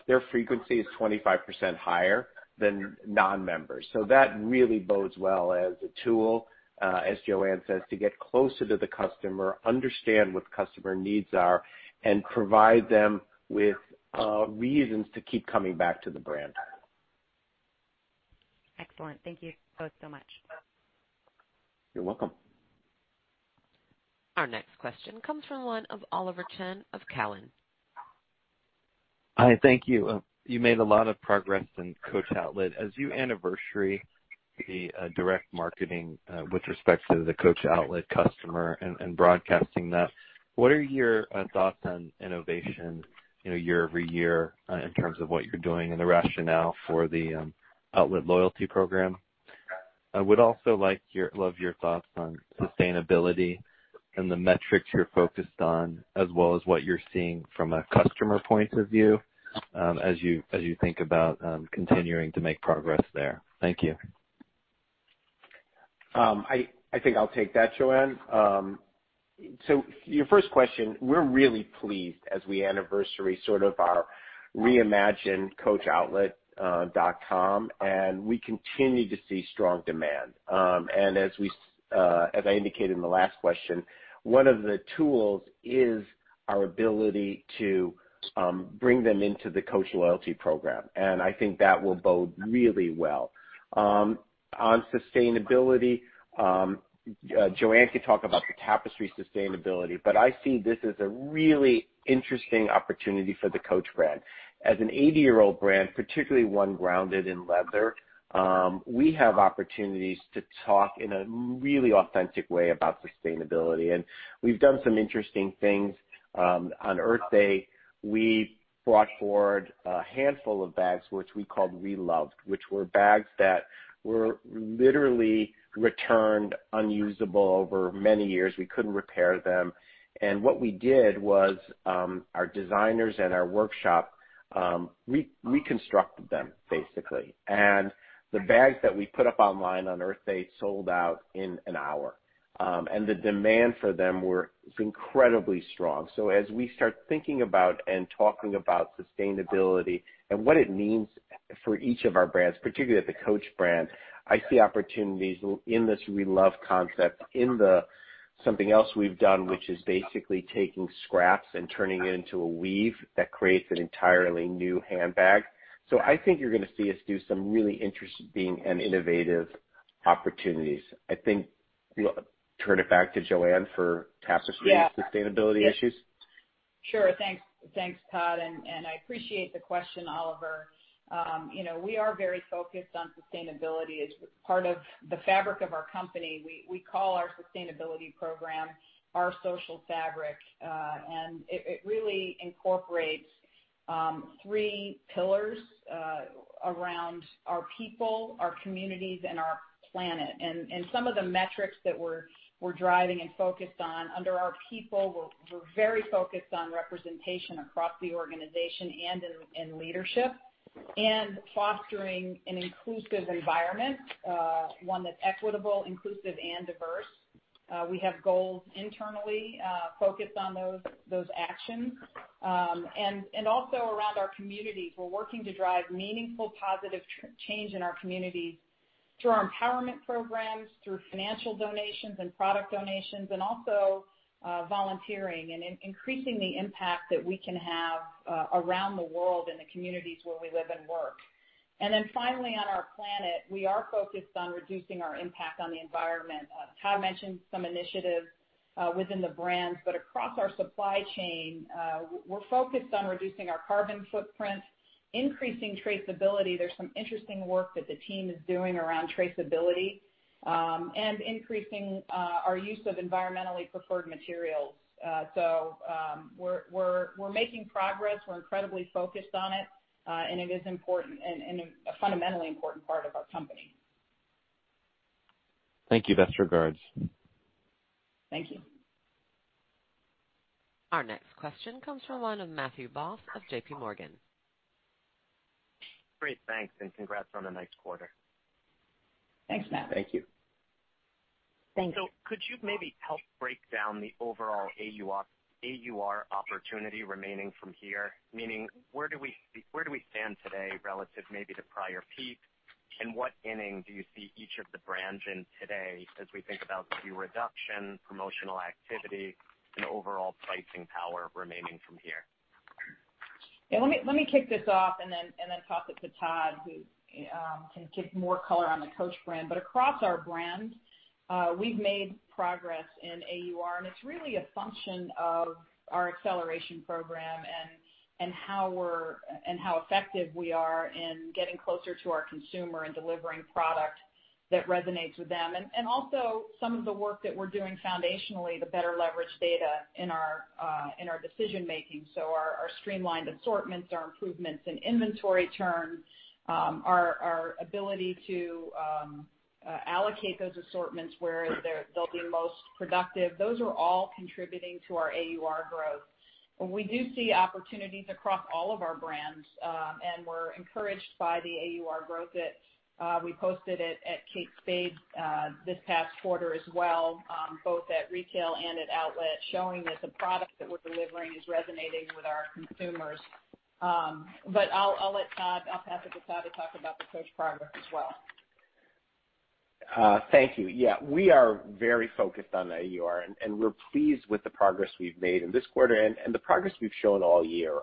their frequency is 25% higher than non-members. That really bodes well as a tool, as Joanne says, to get closer to the customer, understand what the customer needs are, and provide them with reasons to keep coming back to the brand. Excellent. Thank you both so much. You're welcome. Our next question comes from the line of Oliver Chen of Cowen. Hi, thank you. You made a lot of progress in Coach Outlet. As you anniversary the direct marketing with respect to the Coach Outlet customer and broadcasting that, what are your thoughts on innovation year-over-year in terms of what you're doing and the rationale for the outlet loyalty program? I would also love your thoughts on sustainability and the metrics you're focused on, as well as what you're seeing from a customer point of view as you think about continuing to make progress there. Thank you. I think I'll take that, Joanne. Your first question, we're really pleased as we anniversary sort of our reimagined coachoutlet.com, and we continue to see strong demand. As I indicated in the last question, one of the tools is our ability to bring them into the Coach loyalty program, and I think that will bode really well. On sustainability, Joanne can talk about the Tapestry sustainability, but I see this as a really interesting opportunity for the Coach brand. As an 80-year-old brand, particularly one grounded in leather, we have opportunities to talk in a really authentic way about sustainability, and we've done some interesting things. On Earth Day, we brought forward a handful of bags, which we called (Re)Loved, which were bags that were literally returned unusable over many years. We couldn't repair them. What we did was, our designers and our workshop reconstructed them, basically. The bags that we put up online on Earth Day sold out in an hour. The demand for them was incredibly strong. As we start thinking about and talking about sustainability and what it means for each of our brands, particularly at the Coach brand, I see opportunities in this Reloved concept, in something else we've done, which is basically taking scraps and turning it into a weave that creates an entirely new handbag. I think you're going to see us do some really interesting and innovative opportunities. I think I'll turn it back to Joanne for Tapestry. Yeah sustainability issues. Sure. Thanks, Todd. I appreciate the question, Oliver. We are very focused on sustainability. It's part of the fabric of our company. We call our sustainability program our social fabric, and it really incorporates three pillars around our people, our communities, and our planet. Some of the metrics that we're driving and focused on under our people, we're very focused on representation across the organization and in leadership and fostering an inclusive environment, one that's equitable, inclusive, and diverse. We have goals internally focused on those actions. Also around our communities. We're working to drive meaningful, positive change in our communities through our empowerment programs, through financial donations and product donations, and also volunteering and increasing the impact that we can have around the world in the communities where we live and work. Finally, on our planet, we are focused on reducing our impact on the environment. Todd mentioned some initiatives within the brands. Across our supply chain, we're focused on reducing our carbon footprint, increasing traceability. There's some interesting work that the team is doing around traceability, and increasing our use of environmentally preferred materials. We're making progress. We're incredibly focused on it. It is a fundamentally important part of our company. Thank you. Best regards. Thank you. Our next question comes from the line of Matthew Boss of JPMorgan. Great. Thanks and congrats on a nice quarter. Thanks, Matt. Thank you. Thank you. Could you maybe help break down the overall AUR opportunity remaining from here? Meaning, where do we stand today relative maybe to prior peak, and what inning do you see each of the brands in today as we think about the reduction, promotional activity, and overall pricing power remaining from here? Yeah, let me kick this off and then toss it to Todd, who can give more color on the Coach brand. Across our brands, we've made progress in AUR, and it's really a function of our acceleration program and how effective we are in getting closer to our consumer and delivering product that resonates with them. Also some of the work that we're doing foundationally to better leverage data in our decision-making. Our streamlined assortments, our improvements in inventory turns, our ability to allocate those assortments where they'll be most productive, those are all contributing to our AUR growth. We do see opportunities across all of our brands, and we're encouraged by the AUR growth that we posted at Kate Spade this past quarter as well, both at retail and at outlet, showing that the product that we're delivering is resonating with our consumers. I'll pass it to Todd to talk about the Coach progress as well. Thank you. Yeah, we are very focused on AUR, and we're pleased with the progress we've made in this quarter and the progress we've shown all year.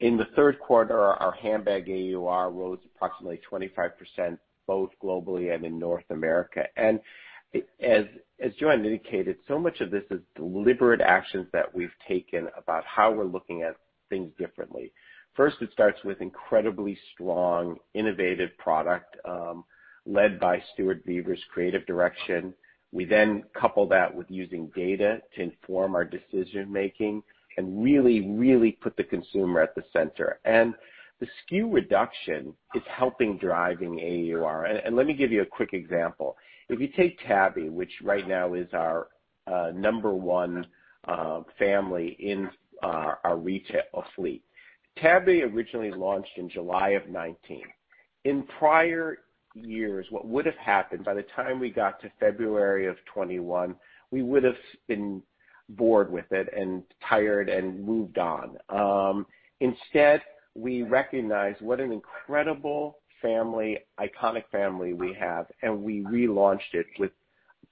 In the third quarter, our handbag AUR rose approximately 25%, both globally and in North America. As Joanne indicated, so much of this is deliberate actions that we've taken about how we're looking at things differently. First, it starts with incredibly strong, innovative product led by Stuart Vevers' creative direction. We then couple that with using data to inform our decision-making and really put the consumer at the center. The SKU reduction is helping driving AUR. Let me give you a quick example. If you take Tabby, which right now is our number one family in our retail fleet. Tabby originally launched in July of 2019. In prior years, what would have happened, by the time we got to February of 2021, we would've been bored with it and tired and moved on. Instead, we recognized what an incredible family, iconic family we have, and we relaunched it with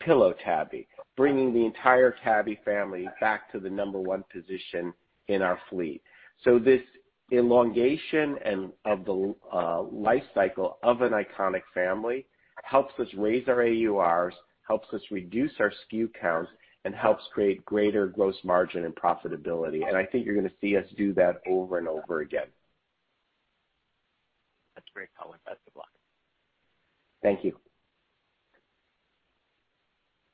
Pillow Tabby, bringing the entire Tabby family back to the number 1 position in our fleet. This elongation of the life cycle of an iconic family helps us raise our AURs, helps us reduce our SKU counts, and helps create greater gross margin and profitability. I think you're going to see us do that over and over again. That's great, Kahn. Best of luck. Thank you.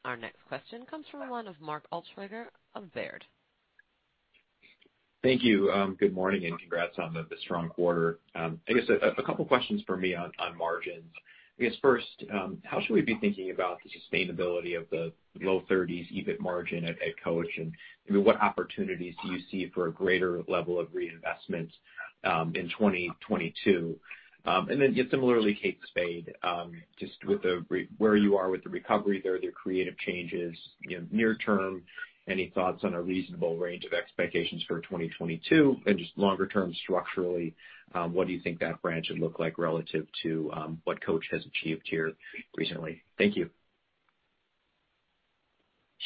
Our next question comes from the line of Mark Altschwager of Baird. Thank you. Good morning, and congrats on the strong quarter. I guess a couple questions from me on margins. I guess first, how should we be thinking about the sustainability of the low 30s EBIT margin at Coach, and maybe what opportunities do you see for a greater level of reinvestment in 2022? Similarly, Kate Spade, just where you are with the recovery there, the creative changes. Near term, any thoughts on a reasonable range of expectations for 2022, and just longer term structurally, what do you think that brand should look like relative to what Coach has achieved here recently? Thank you.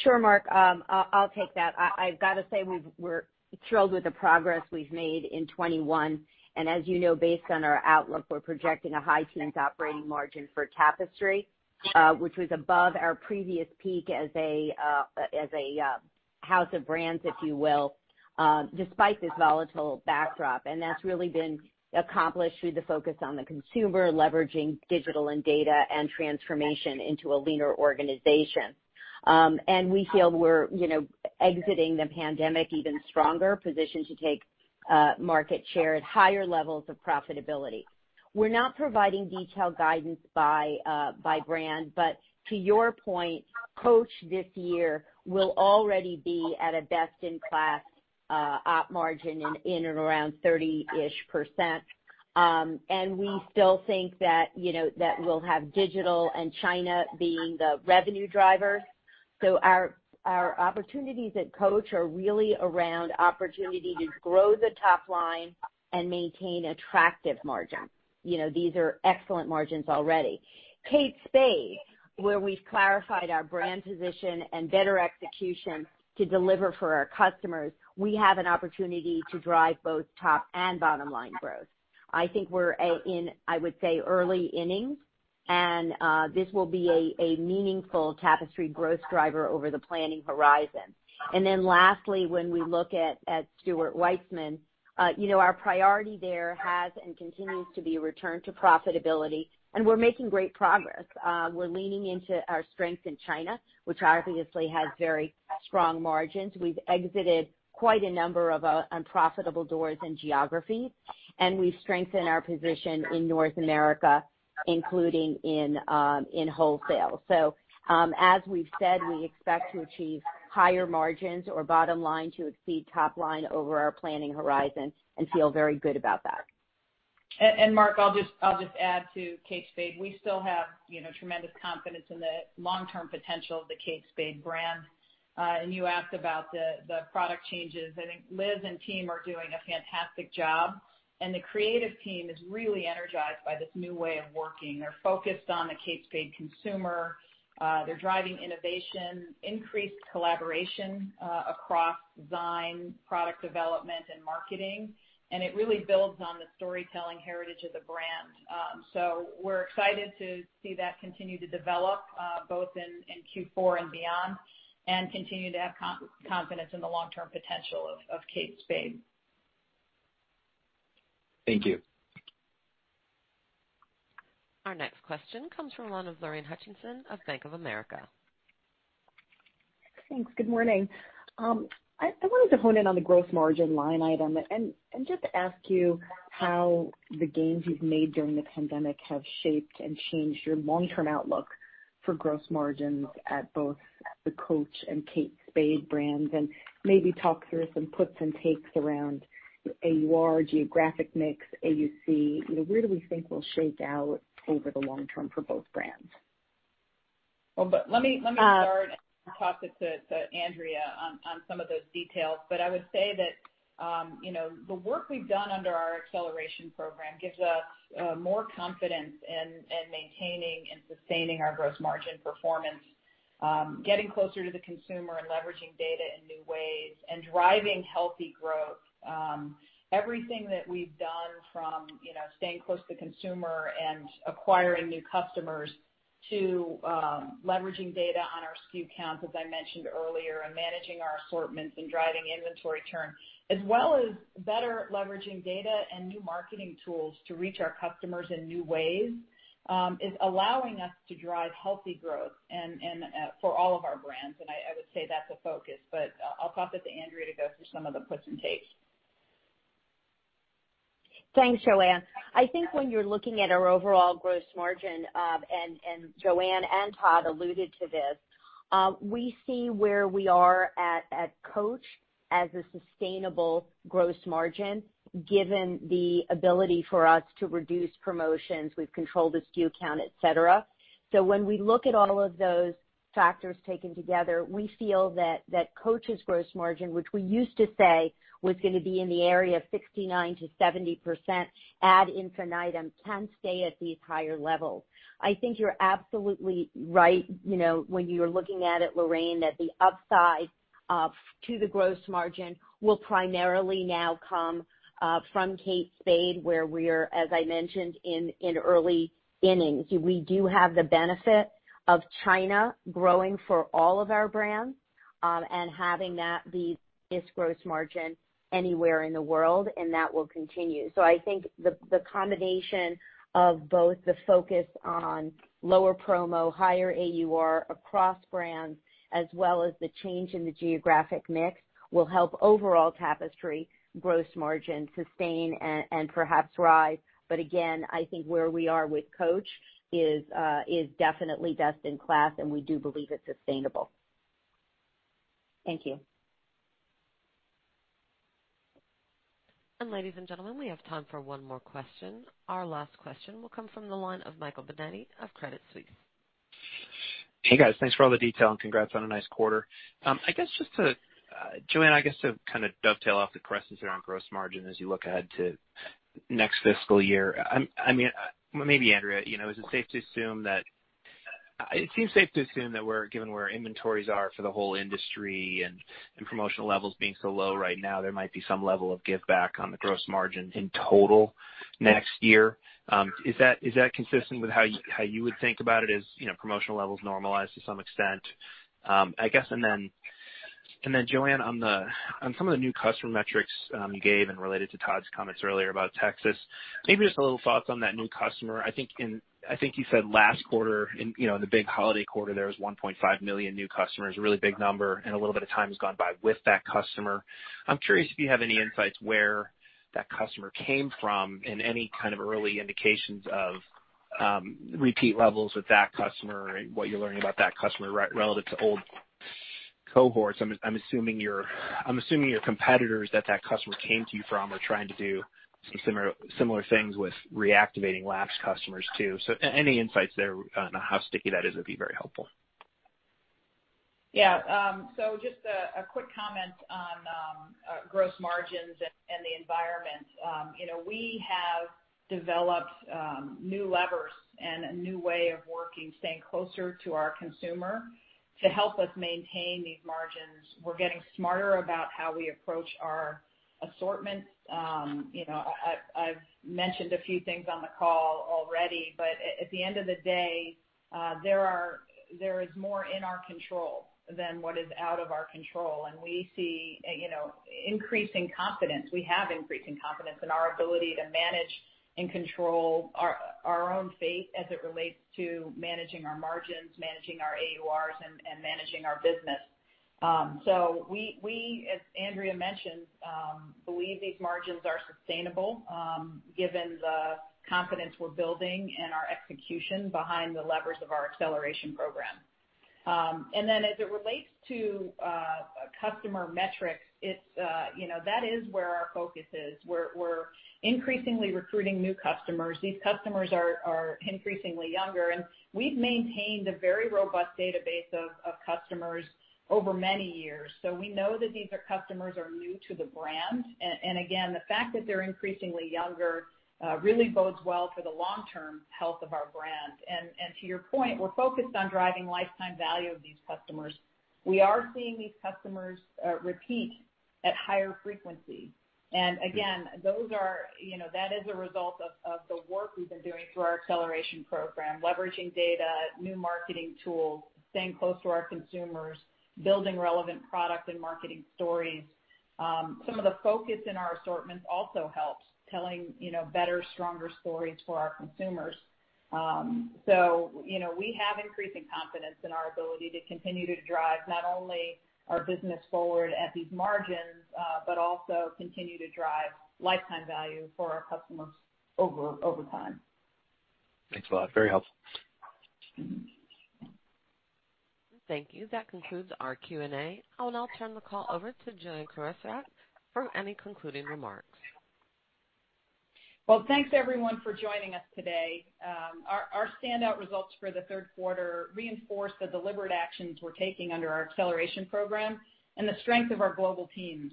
Sure, Mark. I'll take that. I've got to say, we're thrilled with the progress we've made in 2021, and as you know, based on our outlook, we're projecting a high teens operating margin for Tapestry, which was above our previous peak as a house of brands, if you will, despite this volatile backdrop. That's really been accomplished through the focus on the consumer, leveraging digital and data, and transformation into a leaner organization. We feel we're exiting the pandemic even stronger, positioned to take market share at higher levels of profitability. We're not providing detailed guidance by brand, but to your point, Coach this year will already be at a best-in-class op margin in and around 30-ish%. We still think that we'll have digital and China being the revenue drivers. Our opportunities at Coach are really around opportunity to grow the top line and maintain attractive margins. These are excellent margins already. Kate Spade, where we've clarified our brand position and better execution to deliver for our customers, we have an opportunity to drive both top and bottom-line growth. I think we're in, I would say, early innings, this will be a meaningful Tapestry growth driver over the planning horizon. Lastly, when we look at Stuart Weitzman, our priority there has and continues to be a return to profitability, we're making great progress. We're leaning into our strength in China, which obviously has very strong margins. We've exited quite a number of unprofitable doors and geographies, we've strengthened our position in North America, including in wholesale. As we've said, we expect to achieve higher margins or bottom line to exceed top line over our planning horizon and feel very good about that. Mark, I'll just add to Kate Spade. We still have tremendous confidence in the long-term potential of the Kate Spade brand. You asked about the product changes. I think Liz and team are doing a fantastic job, and the creative team is really energized by this new way of working. They're focused on the Kate Spade consumer. They're driving innovation, increased collaboration across design, product development, and marketing, and it really builds on the storytelling heritage of the brand. We're excited to see that continue to develop both in Q4 and beyond, and continue to have confidence in the long-term potential of Kate Spade. Thank you. Our next question comes from the line of Lorraine Hutchinson of Bank of America. Thanks. Good morning. I wanted to hone in on the gross margin line item and just ask you how the gains you've made during the pandemic have shaped and changed your long-term outlook for gross margins at both the Coach and Kate Spade brands, and maybe talk through some puts and takes around AUR, geographic mix, AUC. Where do we think will shake out over the long term for both brands? Well, let me start and toss it to Andrea on some of those details. I would say that the work we've done under our acceleration program gives us more confidence in maintaining and sustaining our gross margin performance, getting closer to the consumer and leveraging data in new ways, and driving healthy growth. Everything that we've done from staying close to the consumer and acquiring new customers to leveraging data on our SKU count, as I mentioned earlier, and managing our assortments and driving inventory turn, as well as better leveraging data and new marketing tools to reach our customers in new ways, is allowing us to drive healthy growth for all of our brands. I would say that's a focus, but I'll toss it to Andrea to go through some of the puts and takes. Thanks, Joanne. I think when you're looking at our overall gross margin, and Joanne and Todd alluded to this, we see where we are at Coach as a sustainable gross margin, given the ability for us to reduce promotions. We've controlled the SKU count, et cetera. When we look at all of those factors taken together, we feel that Coach's gross margin, which we used to say was going to be in the area of 69%-70%, ad infinitum, can stay at these higher levels. I think you're absolutely right, when you're looking at it, Lorraine, that the upside to the gross margin will primarily now come from Kate Spade, where we're, as I mentioned, in early innings. We do have the benefit of China growing for all of our brands, and having that be its gross margin anywhere in the world, and that will continue. I think the combination of both the focus on lower promo, higher AUR across brands, as well as the change in the geographic mix, will help overall Tapestry gross margin sustain and perhaps rise. Again, I think where we are with Coach is definitely best in class, and we do believe it's sustainable. Thank you. Ladies and gentlemen, we have time for one more question. Our last question will come from the line of Michael Binetti of Credit Suisse. Hey, guys. Thanks for all the detail, and congrats on a nice quarter. Joanne Crevoiserat, I guess to kind of dovetail off the questions around gross margin as you look ahead to next fiscal year, maybe Andrea Resnick, it seems safe to assume that given where inventories are for the whole industry and promotional levels being so low right now, there might be some level of giveback on the gross margin in total next year. Is that consistent with how you would think about it as promotional levels normalize to some extent? I guess, Joanne Crevoiserat, on some of the new customer metrics you gave and related to Todd Kahn's comments earlier about Texas, maybe just a little thought on that new customer I think you said last quarter in the big holiday quarter there was 1.5 million new customers, a really big number, and a little bit of time has gone by with that customer. I'm curious if you have any insights where that customer came from and any kind of early indications of repeat levels with that customer or what you're learning about that customer relative to old cohorts. I'm assuming your competitors that that customer came to you from are trying to do some similar things with reactivating lapsed customers too. Any insights there on how sticky that is would be very helpful. Just a quick comment on gross margins and the environment. We have developed new levers and a new way of working, staying closer to our consumer to help us maintain these margins. We're getting smarter about how we approach our assortments. I've mentioned a few things on the call already, at the end of the day, there is more in our control than what is out of our control, and we see increasing confidence. We have increasing confidence in our ability to manage and control our own fate as it relates to managing our margins, managing our AURs and managing our business. We, as Andrea mentioned, believe these margins are sustainable given the confidence we're building in our execution behind the levers of our acceleration program. As it relates to customer metrics, that is where our focus is. We're increasingly recruiting new customers. These customers are increasingly younger. We've maintained a very robust database of customers over many years. We know that these are customers are new to the brand. Again, the fact that they're increasingly younger really bodes well for the long-term health of our brand. To your point, we're focused on driving lifetime value of these customers. We are seeing these customers repeat at higher frequency. Again, that is a result of the work we've been doing through our acceleration program, leveraging data, new marketing tools, staying close to our consumers, building relevant product and marketing stories. Some of the focus in our assortments also helps telling better, stronger stories for our consumers. We have increasing confidence in our ability to continue to drive not only our business forward at these margins, but also continue to drive lifetime value for our customers over time. Thanks a lot. Very helpful. Thank you. That concludes our Q&A, and I'll turn the call over to Joanne Crevoiserat for any concluding remarks. Well, thanks everyone for joining us today. Our standout results for the third quarter reinforce the deliberate actions we're taking under our acceleration program and the strength of our global teams.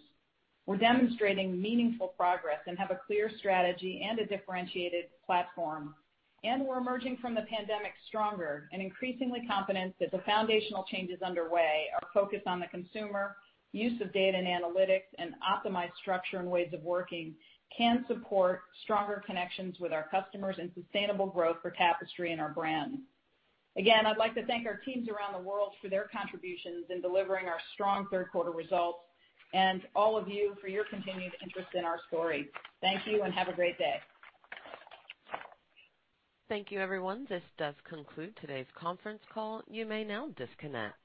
We're demonstrating meaningful progress and have a clear strategy and a differentiated platform, and we're emerging from the pandemic stronger and increasingly confident that the foundational changes underway are focused on the consumer, use of data and analytics, and optimized structure and ways of working can support stronger connections with our customers and sustainable growth for Tapestry and our brands. Again, I'd like to thank our teams around the world for their contributions in delivering our strong third quarter results, and all of you for your continued interest in our story. Thank you and have a great day. Thank you, everyone. This does conclude today's conference call. You may now disconnect.